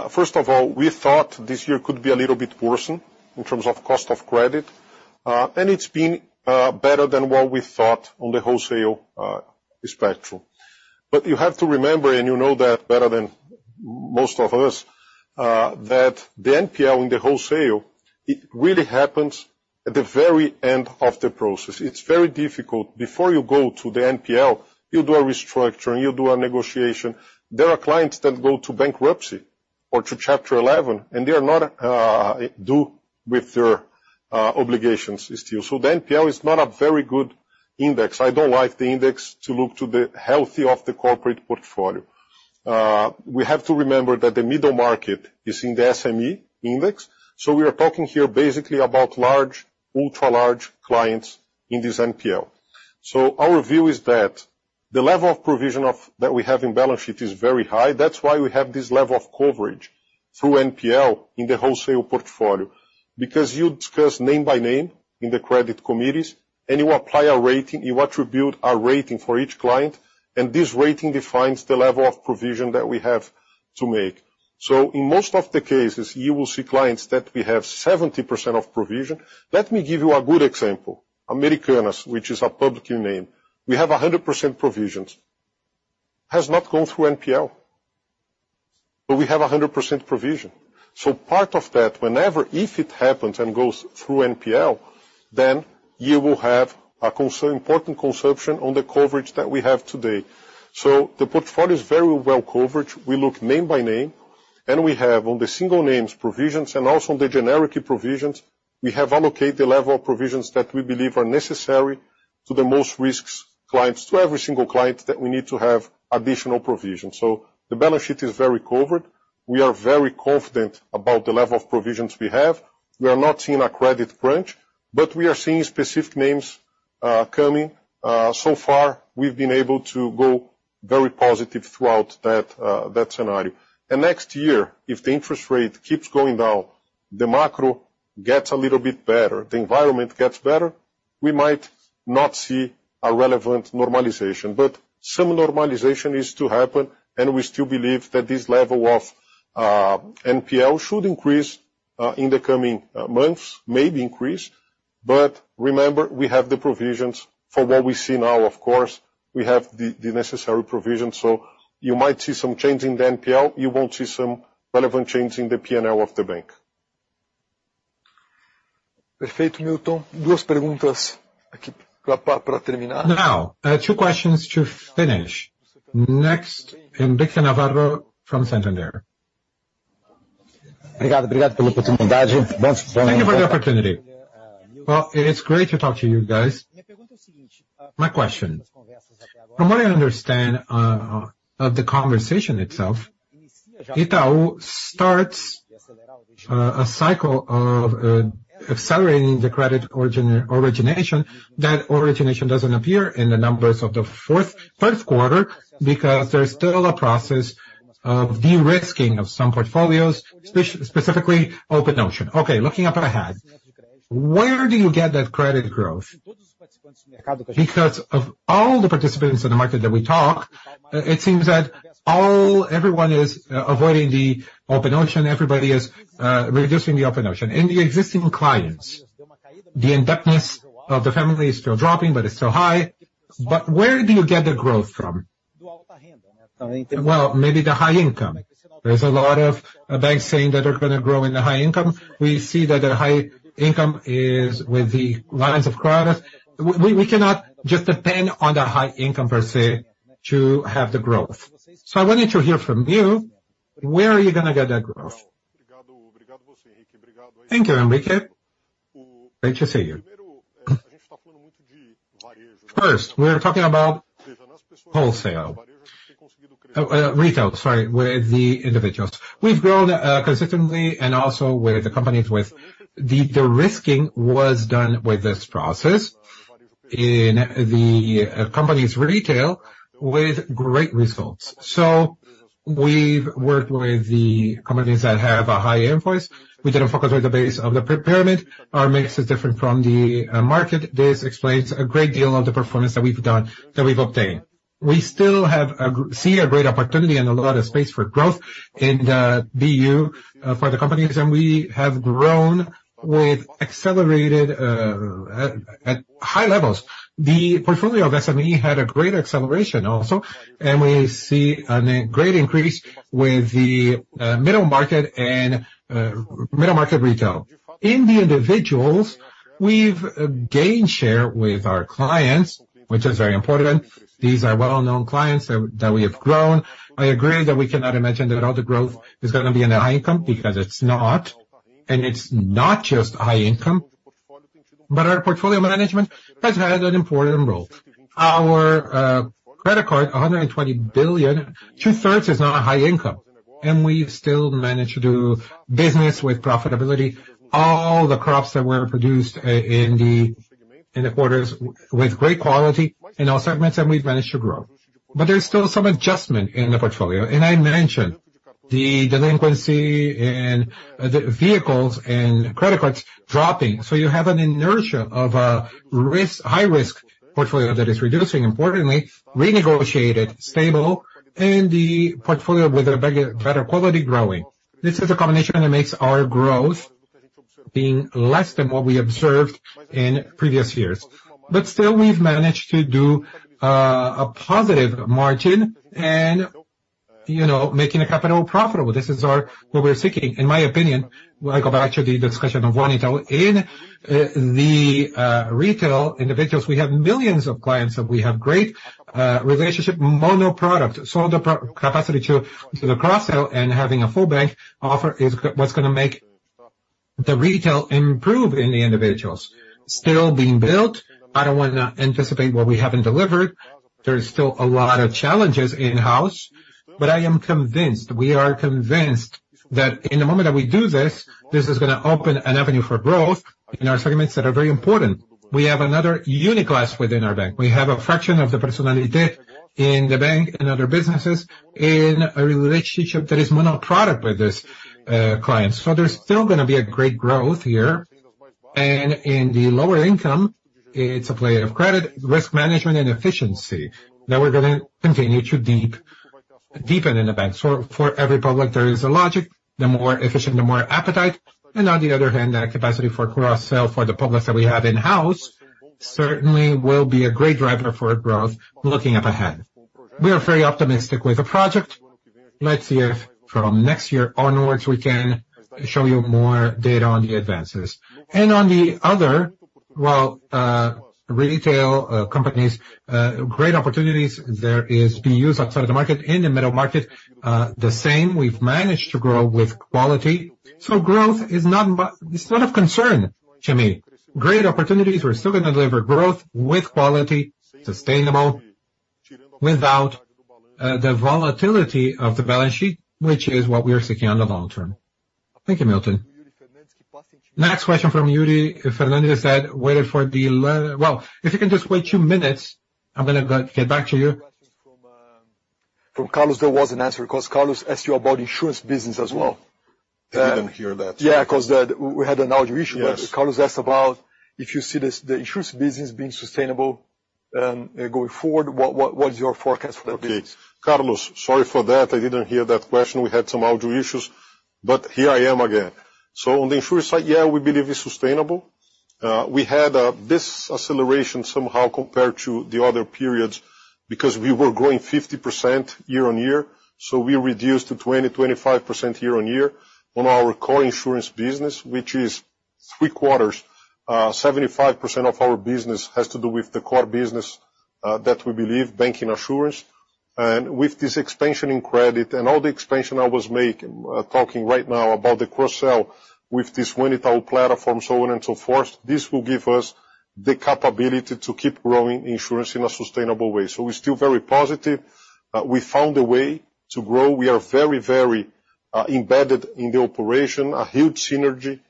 First of all, we thought this year could be a little bit worse in terms of cost of credit, and it's been better than what we thought on the wholesale spectrum. But you have to remember, and you know that better than most of us, that the NPL in the wholesale, it really happens at the very end of the process. It's very difficult. Before you go to the NPL, you do a restructuring, you do a negotiation. There are clients that go to bankruptcy or to Chapter 11, and they are not due with their obligations still. The NPL is not a very good index. I don't like the index to look to the health of the corporate portfolio. We have to remember that the middle market is in the SME index, so we are talking here basically about large, ultra large clients in this NPL. Our view is that the level of provision of... that we have in balance sheet is very high. That's why we have this level of coverage through NPL in the wholesale portfolio, because you discuss name by name in the credit committees, and you apply a rating, you attribute a rating for each client, and this rating defines the level of provision that we have to make. In most of the cases, you will see clients that we have 70% of provision. Let me give you a good example: Americanas, which is a public name. We have 100% provisions, has not gone through NPL, but we have 100% provision. So part of that, whenever, if it happens and goes through NPL, then you will have a considerable important consumption on the coverage that we have today. So the portfolio is very well covered. We look name by name- ... And we have, on the single names provisions, and also on the generic provisions, we have allocated the level of provisions that we believe are necessary to the riskiest clients, to every single client, that we need to have additional provisions. So the balance sheet is very covered. We are very confident about the level of provisions we have. We are not seeing a credit crunch, but we are seeing specific names, coming. So far, we've been able to go very positive throughout that, that scenario. And next year, if the interest rate keeps going down, the macro gets a little bit better, the environment gets better, we might not see a relevant normalization. But some normalization is to happen, and we still believe that this level of, NPL should increase, in the coming, months, maybe increase. But remember, we have the provisions for what we see now, of course, we have the, the necessary provisions. So you might see some change in the NPL, you won't see some relevant change in the P&L of the bank. Now, two questions to finish. Next, Henrique Navarro from Santander. Thank you for the opportunity. Well, it's great to talk to you guys. My question: from what I understand, of the conversation itself, Itaú starts, a cycle of, accelerating the credit origination. That origination doesn't appear in the numbers of the first quarter, because there's still a process of de-risking of some portfolios, specifically, open ocean. Okay, looking ahead, where do you get that credit growth? Because of all the participants in the market that we talk, it seems that all, everyone is, avoiding the open ocean. Everybody is reducing the over-indebtedness. In the existing clients, the indebtedness of the family is still dropping, but it's still high. But where do you get the growth from? Well, maybe the high income. There's a lot of banks saying that they're gonna grow in the high income. We see that the high income is with the lines of credit. We cannot just depend on the high income, per se, to have the growth. So I wanted to hear from you, where are you gonna get that growth? Thank you, Henrique. Great to see you. First, we're talking about wholesale, retail, sorry, with the individuals. We've grown consistently and also with the companies, with the de-risking was done with this process in the company's retail with great results. So we've worked with the companies that have a high invoice. We did a focus on the base of the pyramid. Our mix is different from the market. This explains a great deal of the performance that we've done, that we've obtained. We still have a great opportunity and a lot of space for growth in the BU for the companies, and we have grown with accelerated at high levels. The portfolio of SME had a great acceleration also, and we see a great increase with the middle market and middle market retail. In the individuals, we've gained share with our clients, which is very important. These are well-known clients that we have grown. I agree that we cannot imagine that all the growth is gonna be in the high income, because it's not, and it's not just high income, but our portfolio management has had an important role. Our credit card, 120 billion, 2/3 is not a high income, and we've still managed to do business with profitability. All the cards that were produced in the quarters with great quality in all segments, and we've managed to grow. But there's still some adjustment in the portfolio, and I mentioned the delinquency and the vehicles and credit cards dropping. So you have an inertia of a risk, high-risk portfolio that is reducing, importantly, renegotiated, stable, and the portfolio with a better quality growing. This is a combination that makes our growth being less than what we observed in previous years. But still, we've managed to do a positive margin and, you know, making a capital profitable. This is our, what we're seeking. In my opinion, I go back to the discussion of One Itaú. In the retail individuals, we have millions of clients, and we have great relationship, mono product. So the capacity to the cross-sell and having a full bank offer is what's gonna make the retail improve in the individuals. Still being built, I don't want to anticipate what we haven't delivered. There's still a lot of challenges in-house, but I am convinced, we are convinced, that in the moment that we do this, this is gonna open an avenue for growth in our segments that are very important. We have another Uniclass within our bank. We have a fraction of the Personnalité in the bank and other businesses, in a relationship that is mono product with these clients. So there's still gonna be a great growth here. In the lower income, it's a play of credit, risk management and efficiency, that we're gonna continue to deepen in the bank. So for every product, there is a logic, the more efficient, the more appetite. And on the other hand, the capacity for cross-sell for the products that we have in-house, certainly will be a great driver for growth looking ahead. We are very optimistic with the project. Let's see if from next year onwards, we can show you more data on the advances. Well, retail, companies, great opportunities there is being used outside of the market, in the middle market. The same we've managed to grow with quality, so growth is not, but it's not of concern to me. Great opportunities, we're still gonna deliver growth with quality, sustainable, without the volatility of the balance sheet, which is what we are seeking on the long term. Thank you, Milton. Next question from Yuri Fernandes said, "Waiter for the..." Well, if you can just wait two minutes, I'm gonna go- get back to you. From Carlos, there was an answer, because Carlos asked you about insurance business as well. I didn't hear that. Yeah, 'cause we had an audio issue. Yes. Carlos asked about if you see this, the insurance business being sustainable, going forward. What is your forecast for that business? Okay, Carlos, sorry for that. I didn't hear that question. We had some audio issues, but here I am again. So on the insurance side, yeah, we believe it's sustainable. We had this acceleration somehow compared to the other periods, because we were growing 50% year-on-year, so we reduced to 20-25% year-on-year on our core insurance business, which is three quarters, 75% of our business has to do with the core business, that we believe, bancassurance. And with this expansion in credit and all the expansion I was making, talking right now about the cross-sell with this One Itaú platform, so on and so forth, this will give us the capability to keep growing insurance in a sustainable way. So we're still very positive. We found a way to grow. We are very, very embedded in the operation, a huge synergy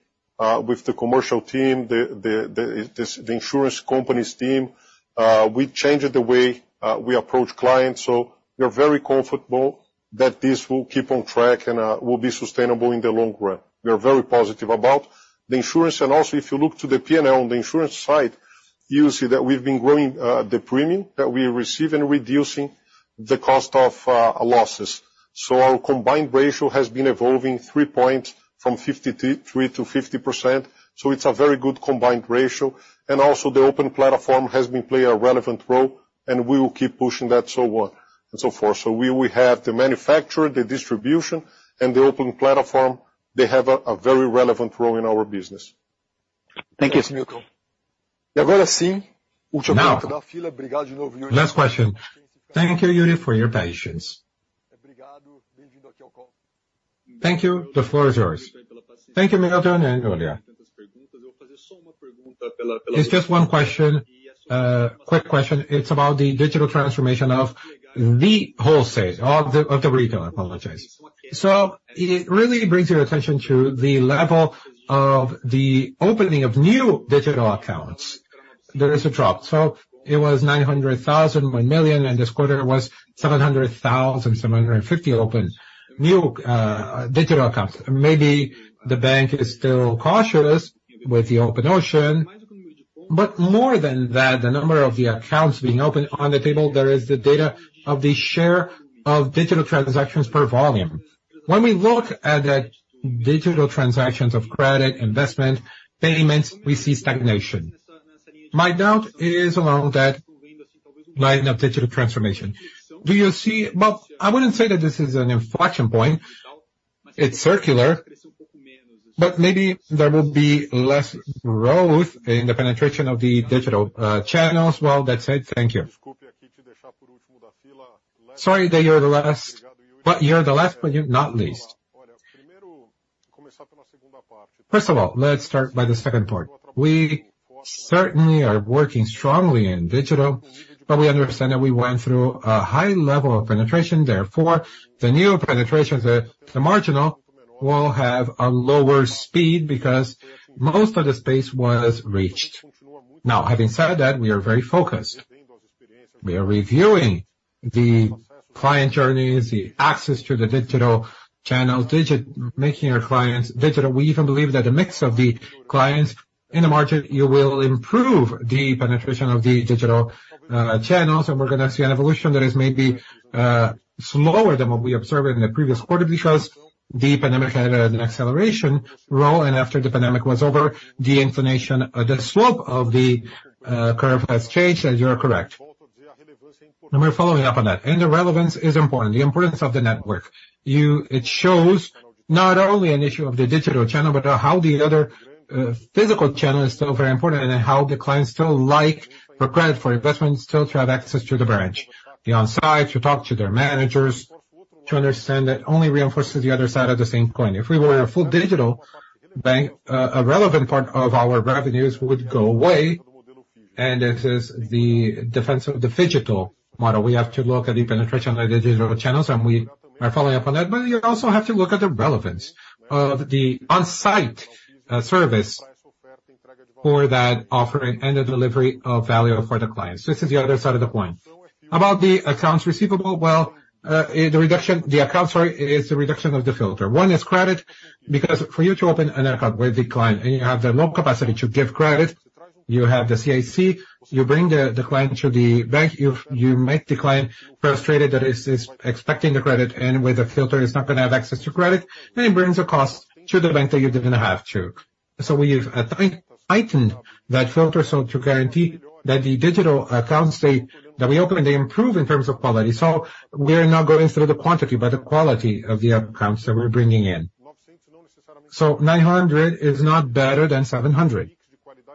with the commercial team, the insurance companies team. We changed the way we approach clients, so we are very comfortable that this will keep on track and will be sustainable in the long run. We are very positive about the insurance, and also, if you look to the P&L on the insurance side, you'll see that we've been growing the premium that we receive and reducing the cost of losses. So our combined ratio has been evolving three points from 53%-50%, so it's a very good combined ratio. And also, the open platform has been playing a relevant role, and we will keep pushing that, so on and so forth. So we have the manufacturer, the distribution, and the open platform. They have a very relevant role in our business. Thank you, Sir Milton. Now, last question. Thank you, Yuri, for your patience. Thank you. The floor is yours. Thank you, Milton and Lulia. It's just one question, quick question. It's about the digital transformation of the wholesale, of the retail, I apologize. So it really brings your attention to the level of the opening of new digital accounts. There is a drop. So it was 900,000, 1,000,000, and this quarter was 700,000, 750,000 open, new digital accounts. Maybe the bank is still cautious with the onboarding, but more than that, the number of the accounts being opened on the table, there is the data of the share of digital transactions per volume. When we look at the digital transactions of credit, investment, payments, we see stagnation. My doubt is around that line of digital transformation. Do you see? Well, I wouldn't say that this is an inflection point, it's circular, but maybe there will be less growth in the penetration of the digital channels. Well, that's it. Thank you. Sorry that you're the last, but you're the last, but you're not least. First of all, let's start by the second part. We certainly are working strongly in digital, but we understand that we went through a high level of penetration, therefore, the new penetrations, the marginal, will have a lower speed because most of the space was reached. Now, having said that, we are very focused. We are reviewing the client journeys, the access to the digital channels, digit-making our clients digital. We even believe that the mix of the clients in the market, you will improve the penetration of the digital channels, and we're gonna see an evolution that is maybe slower than what we observed in the previous quarter, because the pandemic had an acceleration role, and after the pandemic was over, the inflation, the slope of the curve has changed, and you are correct. We're following up on that. The relevance is important, the importance of the network. You. It shows not only an issue of the digital channel, but how the other physical channel is still very important, and how the clients still like, for credit, for investment, still to have access to the branch. Be on site, to talk to their managers, to understand that only reinforces the other side of the same coin. If we were a full digital bank, a relevant part of our revenues would go away, and this is the defense of the Phygital model. We have to look at the penetration of the digital channels, and we are following up on that. But you also have to look at the relevance of the on-site service for that offering and the delivery of value for the clients. This is the other side of the coin. About the accounts receivable, well, the reduction is the reduction of the filter. One is credit, because for you to open an account with the client and you have the low capacity to give credit, you have the CIC, you bring the client to the bank, you make the client frustrated, that is expecting the credit, and with the filter, is not gonna have access to credit, and it brings a cost to the bank that you didn't have to. So we've tightened that filter so to guarantee that the digital accounts they, that we open, they improve in terms of quality. So we are now going through the quantity, but the quality of the accounts that we're bringing in.... So 900 is not better than 700,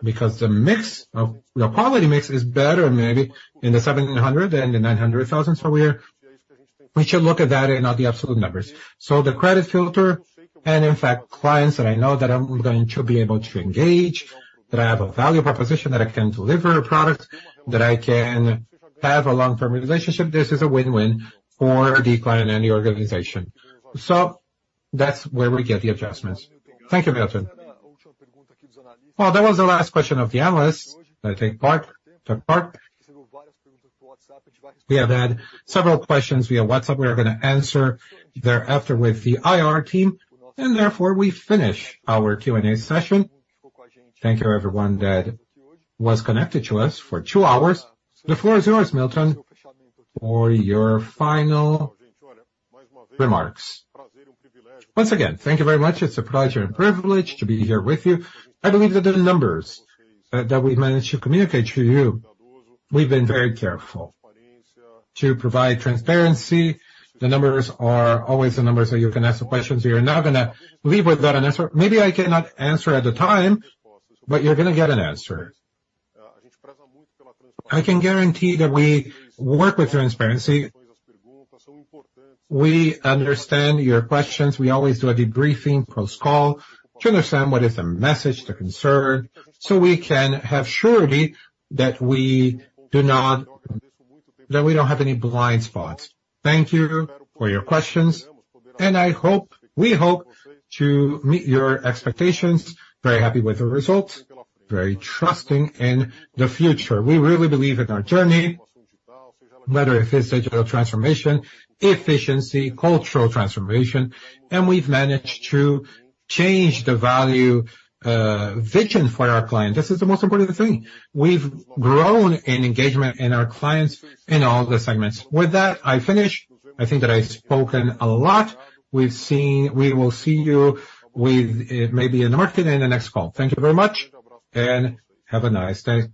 because the mix of, the quality mix is better maybe in the 700 than the 900,000 per year. We should look at that and not the absolute numbers. So the credit filter and in fact, clients that I know that I'm going to be able to engage, that I have a value proposition, that I can deliver a product, that I can have a long-term relationship, this is a win-win for the client and the organization. So that's where we get the adjustments. Thank you, Milton. Well, that was the last question of the analyst, I think, [Park. Park], we have had several questions via WhatsApp. We are gonna answer thereafter with the IR team, and therefore we finish our Q&A session. Thank you, everyone, that was connected to us for two hours. The floor is yours, Milton, for your final remarks. Once again, thank you very much. It's a pleasure and privilege to be here with you. I believe that the numbers that we managed to communicate to you, we've been very careful to provide transparency. The numbers are always the numbers, so you can ask the questions. You're not gonna leave without an answer. Maybe I cannot answer at the time, but you're gonna get an answer. I can guarantee that we work with transparency. We understand your questions. We always do a debriefing post-call to understand what is the message, the concern, so we can have surety that we don't have any blind spots. Thank you for your questions, and I hope, we hope to meet your expectations. Very happy with the results, very trusting in the future. We really believe in our journey, whether it is digital transformation, efficiency, cultural transformation, and we've managed to change the value, vision for our client. This is the most important thing. We've grown in engagement in our clients in all the segments. With that, I finish. I think that I've spoken a lot. We've seen... We will see you with, maybe in the market in the next call. Thank you very much, and have a nice day.